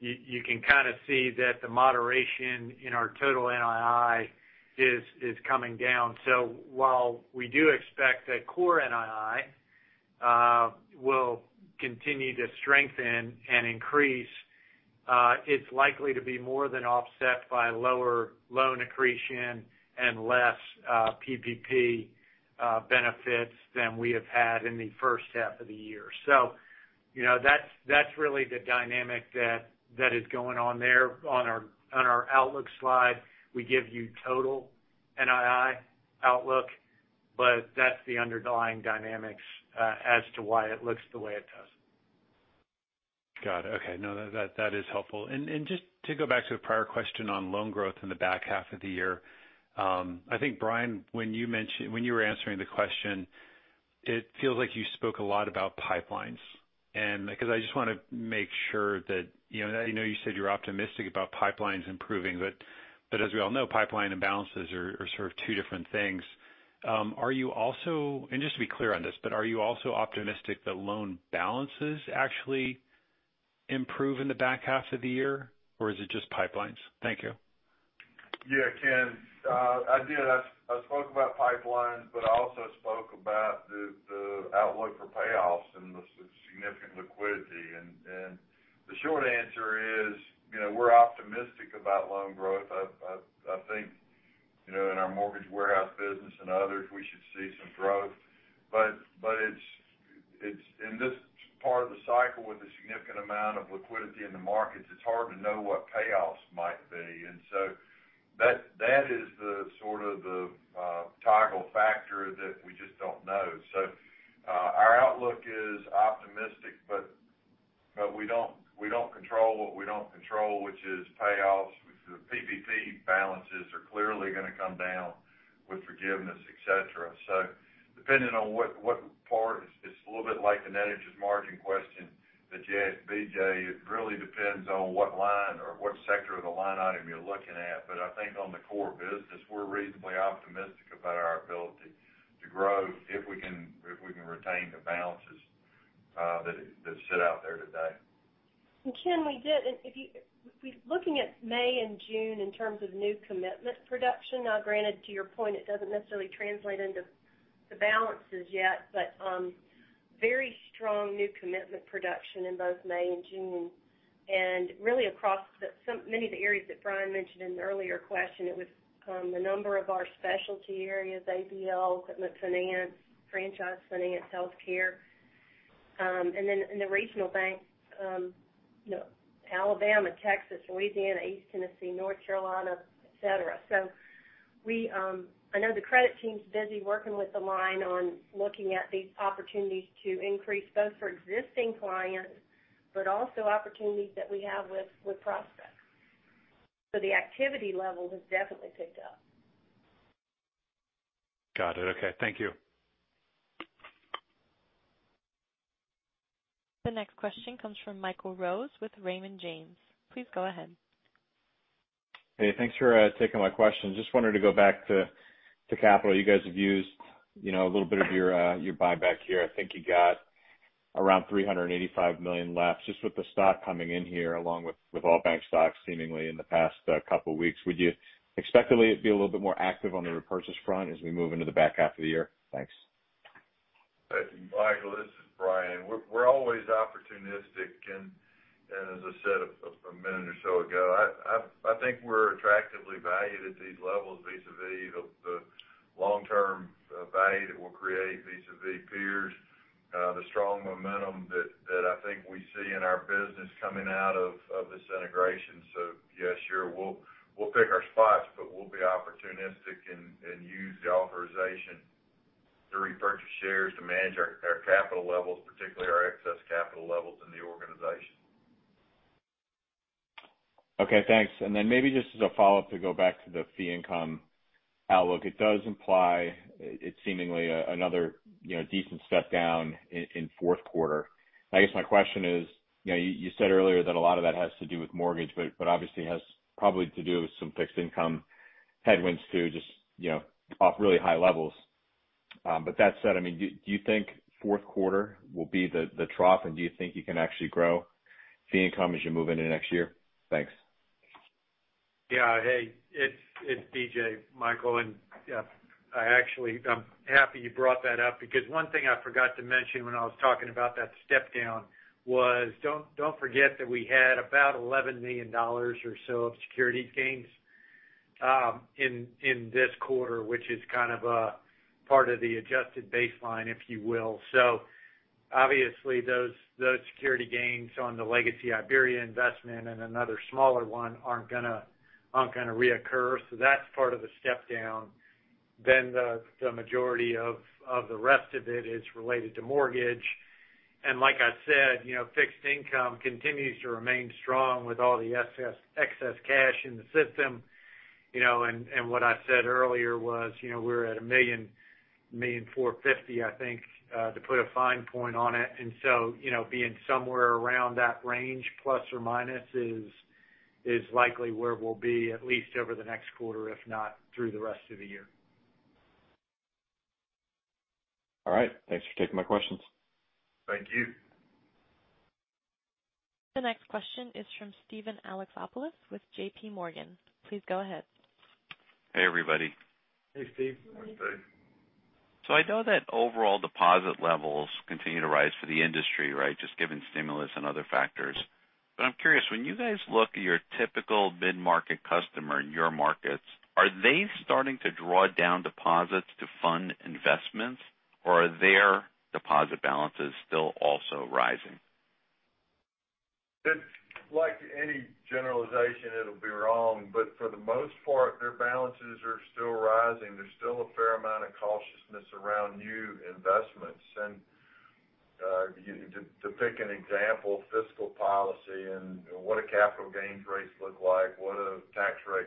you can kind of see that the moderation in our total NII is coming down. While we do expect that core NII will continue to strengthen and increase, it's likely to be more than offset by lower loan accretion and less PPP benefits than we have had in the first half of the year. That's really the dynamic that is going on there. On our outlook slide, we give you total NII outlook, but that's the underlying dynamics as to why it looks the way it does. Got it. Okay. No, that is helpful. Just to go back to the prior question on loan growth in the back half of the year, I think, Bryan, when you were answering the question, it feels like you spoke a lot about pipelines. Because I just want to make sure that, I know you said you're optimistic about pipelines improving, but as we all know, pipeline and balances are sort of two different things. Just to be clear on this, are you also optimistic that loan balances actually improve in the back half of the year? Or is it just pipelines? Thank you. Yeah, Ken. I did, I spoke about pipelines, but I also spoke about the outlook for payoffs and the significant liquidity. The short answer is, we're optimistic about loan growth. I think in our mortgage warehouse business and others, we should see some growth. In this part of the cycle with a significant amount of liquidity in the markets, it's hard to know what payoffs might be. That is the sort of the toggle factor that we just don't know. Our outlook is optimistic, but we don't control what we don't control, which is payoffs. The PPP balances are clearly going to come down with forgiveness, et cetera. Depending on what part. It's a little bit like the net interest margin question that you asked BJ. It really depends on what line or what sector of the line item you're looking at. I think on the core business, we're reasonably optimistic about our ability to grow if we can retain the balances that sit out there today. Ken, we did. Looking at May and June in terms of new commitment production, now granted, to your point, it doesn't necessarily translate into the balances yet, but very strong new commitment production in both May and June, and really across many of the areas that Bryan mentioned in the earlier question. It was a number of our specialty areas, ABL, equipment finance, franchise finance, health care, and then in the regional banks, Alabama, Texas, Louisiana, East Tennessee, North Carolina, et cetera. I know the credit team's busy working with the line on looking at these opportunities to increase both for existing clients, but also opportunities that we have with prospects. The activity level has definitely picked up. Got it. Okay. Thank you. The next question comes from Michael Rose with Raymond James. Please go ahead. Hey, thanks for taking my question. Just wanted to go back to capital. You guys have used a little bit of your buyback here. I think you got around $385 million left. Just with the stock coming in here, along with all bank stocks seemingly in the past couple of weeks, would you expect to be a little bit more active on the repurchase front as we move into the back half of the year? Thanks. Michael Rose, this is Bryan Jordan. We're always opportunistic. As I said a minute or so ago, I think we're attractively valued at these levels vis-a-vis the long-term value that we'll create vis-a-vis peers, the strong momentum that I think we see in our business coming out of this integration. Yes, sure, we'll pick our spots, but we'll be opportunistic and use the authorization to repurchase shares to manage our capital levels, particularly our excess capital levels in the organization. Okay, thanks. Maybe just as a follow-up to go back to the fee income outlook, it does imply it's seemingly another decent step down in fourth quarter. I guess my question is, you said earlier that a lot of that has to do with mortgage, but obviously has probably to do with some fixed income headwinds too, just off really high levels. That said, do you think fourth quarter will be the trough, and do you think you can actually grow fee income as you move into next year? Thanks. Hey, it's BJ, Michael. I actually am happy you brought that up because one thing I forgot to mention when I was talking about that step down was don't forget that we had about $11 million or so of securities gains in this quarter, which is kind of a part of the adjusted baseline, if you will. Obviously those securities gains on the legacy IberiaBank investment and another smaller one aren't going to reoccur. That's part of the step down. The majority of the rest of it is related to mortgage. Like I said, fixed income continues to remain strong with all the excess cash in the system. What I said earlier was, we're at $1.00045 Million, I think, to put a fine point on it. Being somewhere around that range, + or -, is likely where we'll be at least over the next quarter, if not through the rest of the year. All right. Thanks for taking my questions. Thank you. The next question is from Steven Alexopoulos with JP Morgan. Please go ahead. Hey, everybody. Hey, Steve. Morning, Steve. I know that overall deposit levels continue to rise for the industry, right? Just given stimulus and other factors. I'm curious, when you guys look at your typical mid-market customer in your markets, are they starting to draw down deposits to fund investments? Or are their deposit balances still also rising? Like any generalization, it'll be wrong, but for the most part, their balances are still rising. There's still a fair amount of cautiousness around new investments. To pick an example, fiscal policy and what a capital gains rates look like, what a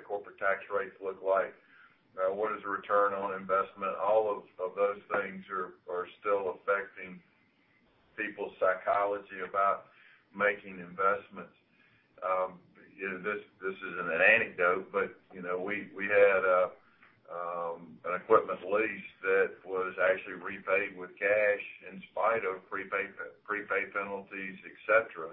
corporate tax rates look like, what is the return on investment? All of those things are still affecting people's psychology about making investments. This isn't an anecdote, but we had an equipment lease that was actually repaid with cash in spite of prepaid penalties, et cetera.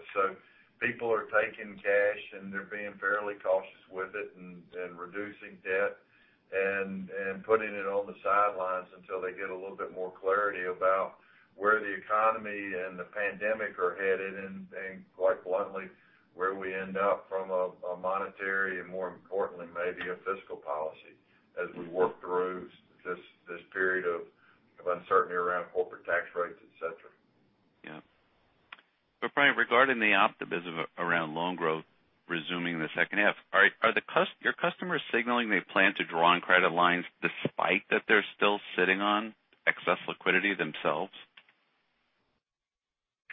People are taking cash, and they're being fairly cautious with it and reducing debt and putting it on the sidelines until they get a little bit more clarity about where the economy and the pandemic are headed. Quite bluntly, where we end up from a monetary and more importantly, maybe a fiscal policy as we work through this period of uncertainty around corporate tax rates, et cetera. Yeah. Bryan, regarding the optimism around loan growth resuming in the second half, are your customers signaling they plan to draw on credit lines despite that they're still sitting on excess liquidity themselves?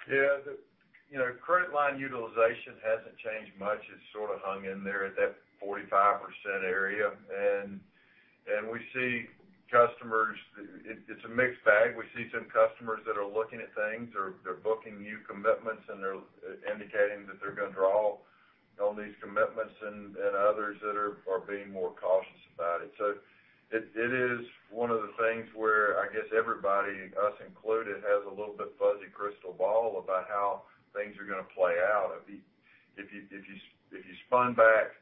Yeah. The credit line utilization hasn't changed much. It's sort of hung in there at that 45% area. We see customers, it's a mixed bag. We see some customers that are looking at things, or they're booking new commitments, and they're indicating that they're going to draw on these commitments, and others that are being more cautious about it. It is one of the things where I guess everybody, us included, has a little bit fuzzy crystal ball about how things are going to play out. If you spun back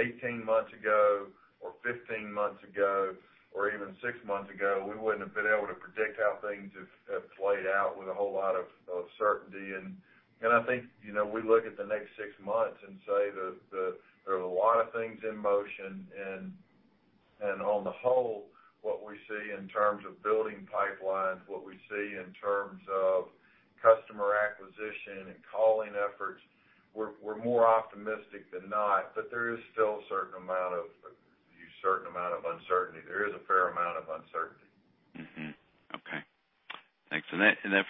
18 months ago or 15 months ago, or even six months ago, we wouldn't have been able to predict how things have played out with a whole lot of certainty. I think, we look at the next six months and say that there's a lot of things in motion, and on the whole, what we see in terms of building pipelines, what we see in terms of customer acquisition and calling efforts, we're more optimistic than not. There is still a certain amount of uncertainty. There is a fair amount of uncertainty. Okay, thanks. For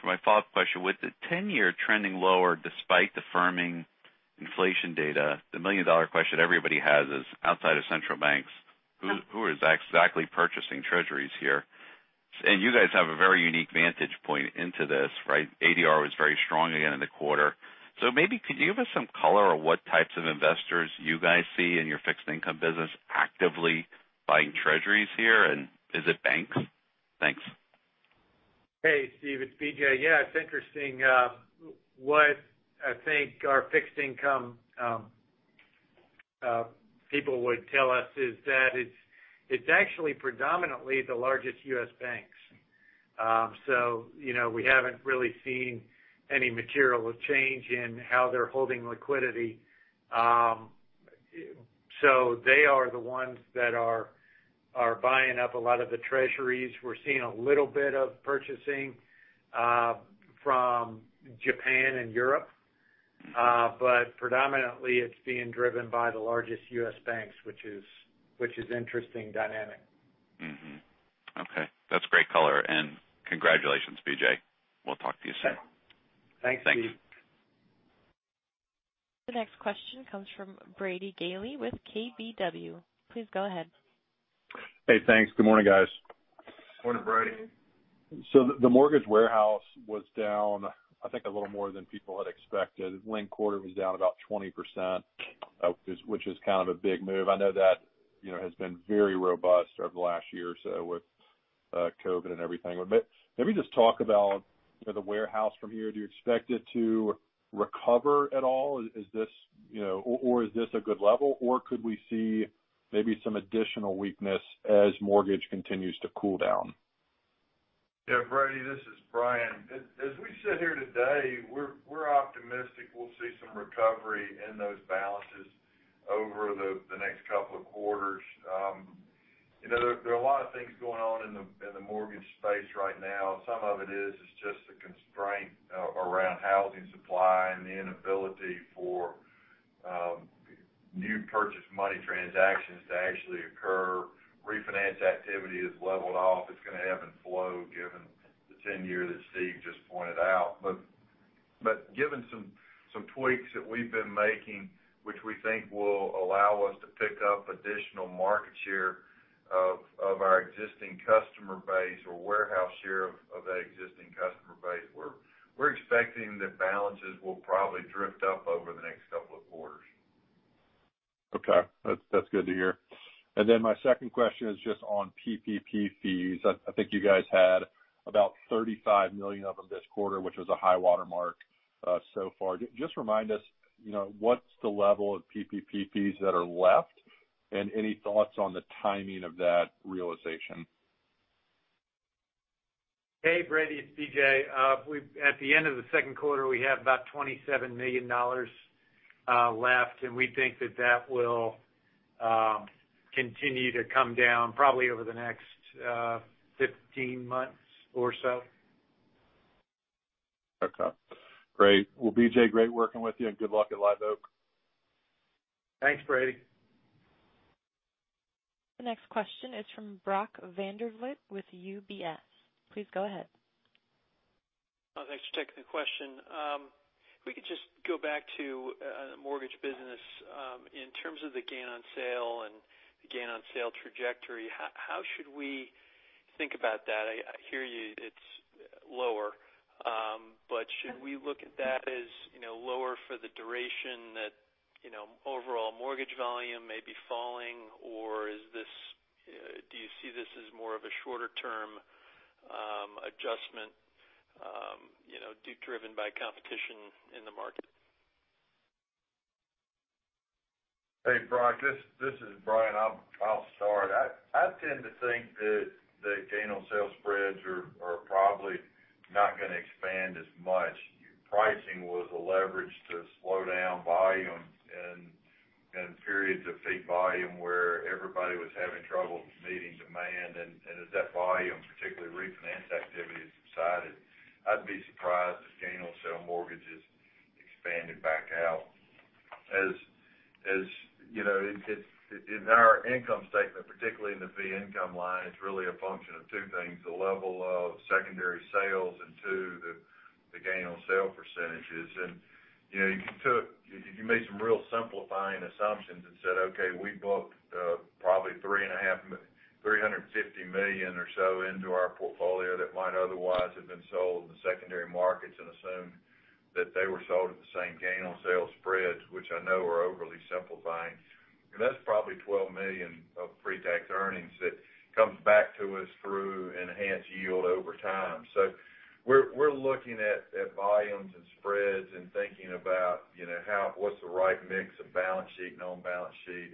my follow-up question. With the 10-year trending lower despite the firming inflation data, the million-dollar question everybody has is, outside of central banks, who is exactly purchasing Treasuries here? You guys have a very unique vantage point into this, right? ADR was very strong again in the quarter. Maybe could you give us some color on what types of investors you guys see in your fixed income business actively buying Treasuries here, and is it banks? Thanks. Hey, Steven, it's BJ. Yeah, it's interesting. What I think our fixed income people would tell us is that it's actually predominantly the largest U.S. banks. We haven't really seen any material change in how they're holding liquidity. They are the ones that are buying up a lot of the Treasuries. We're seeing a little bit of purchasing from Japan and Europe. Predominantly, it's being driven by the largest U.S. banks, which is interesting dynamic. Mm-hmm. Okay. That's great color. Congratulations, BJ. We'll talk to you soon. Thanks, Steve. Thanks. The next question comes from Brady Gailey with KBW. Please go ahead. Hey, thanks. Good morning, guys. Morning, Brady. The mortgage warehouse was down, I think, a little more than people had expected. Linked quarter was down about 20%, which is kind of a big move. I know that has been very robust over the last year or so with COVID and everything. Maybe just talk about the warehouse from here. Do you expect it to recover at all? Or is this a good level, or could we see maybe some additional weakness as mortgage continues to cool down? Yeah, Brady, this is Bryan. As we sit here today, we're optimistic we'll see some recovery in those balances over the next couple of quarters. There are a lot of things going on in the mortgage space right now. Some of it is just the constraint around housing supply and the inability for new purchase money transactions to actually occur. Refinance activity has leveled off. It's going to ebb and flow given the 10-year that Steve just pointed out. Given some tweaks that we've been making, which we think will allow us to pick up additional market share of our existing customer base or warehouse share of that existing customer base, we're expecting that balances will probably drift up over the next couple of quarters. Okay. That's good to hear. My second question is just on PPP fees. I think you guys had about $35 million of them this quarter, which was a high watermark so far. Just remind us, what's the level of PPP fees that are left, and any thoughts on the timing of that realization? Hey, Brady, it's BJ. At the end of the second quarter, we have about $27 million left, and we think that that will continue to come down probably over the next 15 months or so. Okay, great. Well, BJ, great working with you, and good luck at Live Oak. Thanks, Brady. The next question is from Brock Vandervliet with UBS. Please go ahead. Thanks for taking the question. If we could just go back to mortgage business. In terms of the gain on sale and the gain on sale trajectory, how should we think about that? I hear you, it's lower. Should we look at that as lower for the duration that overall mortgage volume may be falling, or do you see this as more of a shorter-term adjustment driven by competition in the market? Hey, Brock, this is Bryan. I'll start. I tend to think that the gain on sale spreads are probably not going to expand as much. Pricing was a leverage to slow down volume in periods of peak volume where everybody was having trouble meeting demand. As that volume, particularly refinance activity, has subsided, I'd be surprised if gain on sale margins expanded back out. As you know, in our income statement, particularly in the fee income line, it's really a function of two things, the level of secondary sales, and two, the gain on sale percentages. You can make some real simplifying assumptions and said, okay, we booked probably $350 million or so into our portfolio that might otherwise have been sold in the secondary markets and assume that they were sold at the same gain on sale spreads, which I know are overly simplifying. That's probably $12 million of pre-tax earnings that comes back to us through enhanced yield over time. We're looking at volumes and spreads and thinking about what's the right mix of balance sheet and on-balance sheet.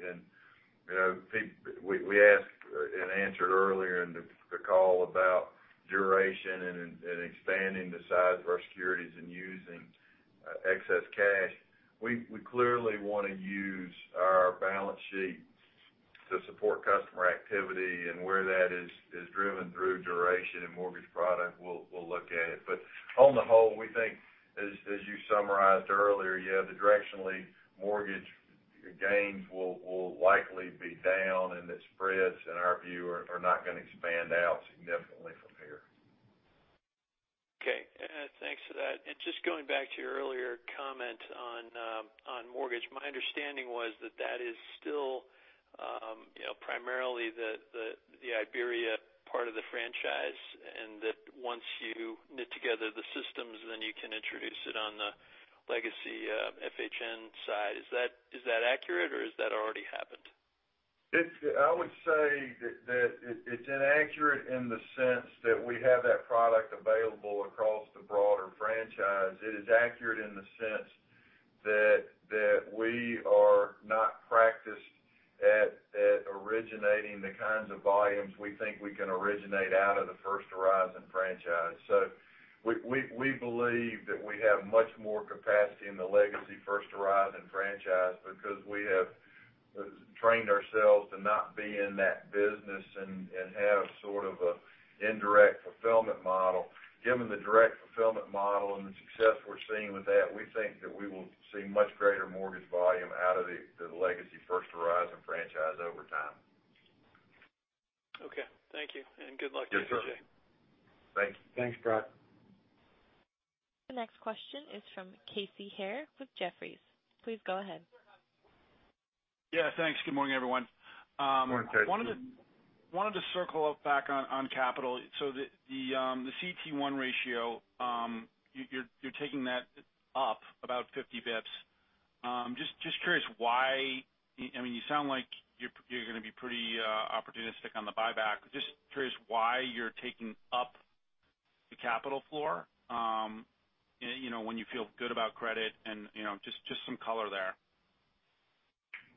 We asked and answered earlier in the call about duration and expanding the size of our securities and using excess cash. We clearly want to use our balance sheet to support customer activity, and where that is driven through duration and mortgage product, we'll look at it. On the whole, we think as you summarized earlier, yeah, the directionally mortgage gains will likely be down and that spreads, in our view, are not going to expand out significantly from here. Okay. Thanks for that. Just going back to your earlier comment on mortgage, my understanding was that that is still primarily the Iberia part of the franchise, and that once you knit together the systems, then you can introduce it on the legacy FHN side. Is that accurate, or is that already happened? I would say that it's inaccurate in the sense that we have that product available across the broader franchise. It is accurate in the sense that we are not practiced at originating the kinds of volumes we think we can originate out of the First Horizon franchise. We believe that we have much more capacity in the legacy First Horizon franchise because we have trained ourselves to not be in that business and have sort of an indirect fulfillment model. Given the direct fulfillment model and the success we're seeing with that, we think that we will see much greater mortgage volume out of the legacy First Horizon franchise over time. Okay. Thank you. Good luck to you, BJ. Yes, sir. Thanks. Thanks, Brock. The next question is from Casey Haire with Jefferies. Please go ahead. Yeah, thanks. Good morning, everyone. Morning, Casey. Wanted to circle back on capital. The CET1 ratio, you're taking that up about 50 basis points. You sound like you're going to be pretty opportunistic on the buyback. Just curious why you're taking up the capital floor when you feel good about credit and just some color there.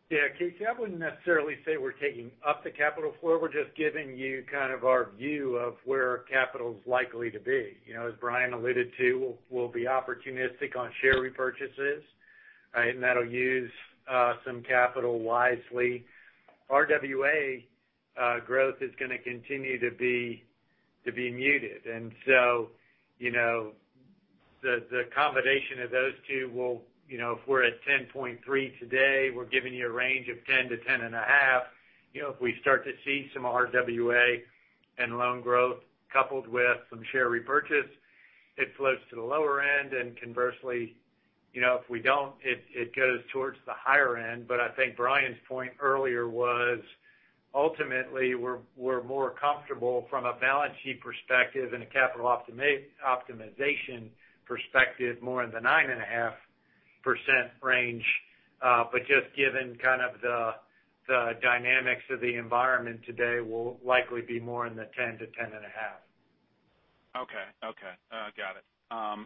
Yeah, Casey, I wouldn't necessarily say we're taking up the capital floor. We're just giving you kind of our view of where capital's likely to be. As Bryan alluded to, we'll be opportunistic on share repurchases, right? That'll use some capital wisely. RWA growth is going to continue to be muted. If we're at 10.3% today, we're giving you a range of 10%-10.5%. If we start to see some RWA and loan growth coupled with some share repurchase, it floats to the lower end. Conversely, if we don't, it goes towards the higher end. I think Bryan's point earlier was ultimately, we're more comfortable from a balance sheet perspective and a capital optimization perspective, more in the 9.5% range. Just given kind of the dynamics of the environment today will likely be more in the 10-10.5. Okay. Got it. On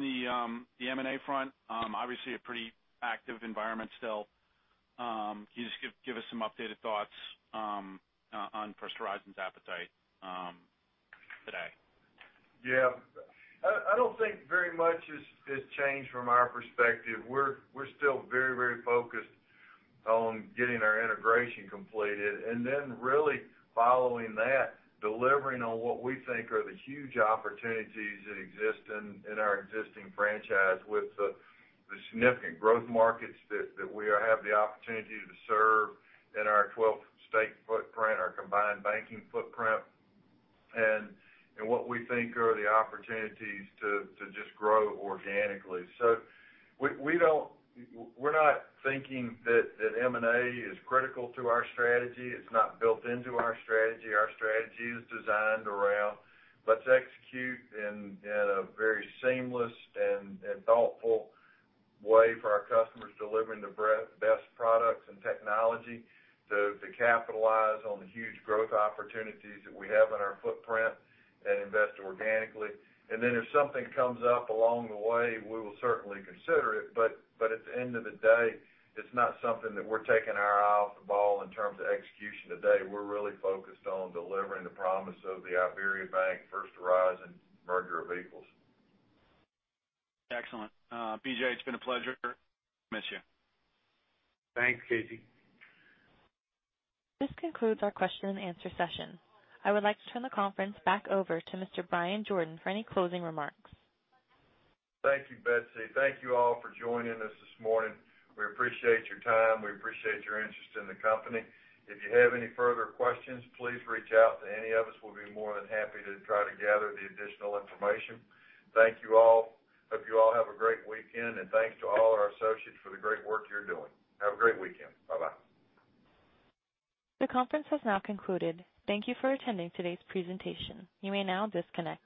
the M&A front, obviously a pretty active environment still, can you just give us some updated thoughts on First Horizon's appetite today? Yeah. I don't think very much has changed from our perspective. We're still very focused on getting our integration completed and then really following that, delivering on what we think are the huge opportunities that exist in our existing franchise with the significant growth markets that we have the opportunity to serve in our 12-state footprint, our combined banking footprint. What we think are the opportunities to just grow organically. We're not thinking that M&A is critical to our strategy. It's not built into our strategy. Our strategy is designed around, let's execute in a very seamless and thoughtful way for our customers, delivering the best products and technology to capitalize on the huge growth opportunities that we have in our footprint and invest organically. If something comes up along the way, we will certainly consider it. At the end of the day, it's not something that we're taking our eye off the ball in terms of execution today. We're really focused on delivering the promise of the IberiaBank, First Horizon merger of equals. Excellent. BJ, it's been a pleasure. Miss you. Thanks, Casey. This concludes our question and answer session. I would like to turn the conference back over to Mr. Bryan Jordan for any closing remarks. Thank you, Betsy. Thank you all for joining us this morning. We appreciate your time. We appreciate your interest in the company. If you have any further questions, please reach out to any of us. We'll be more than happy to try to gather the additional information. Thank you all. Hope you all have a great weekend, and thanks to all our associates for the great work you're doing. Have a great weekend. Bye-bye. The conference has now concluded. Thank you for attending today's presentation. You may now disconnect.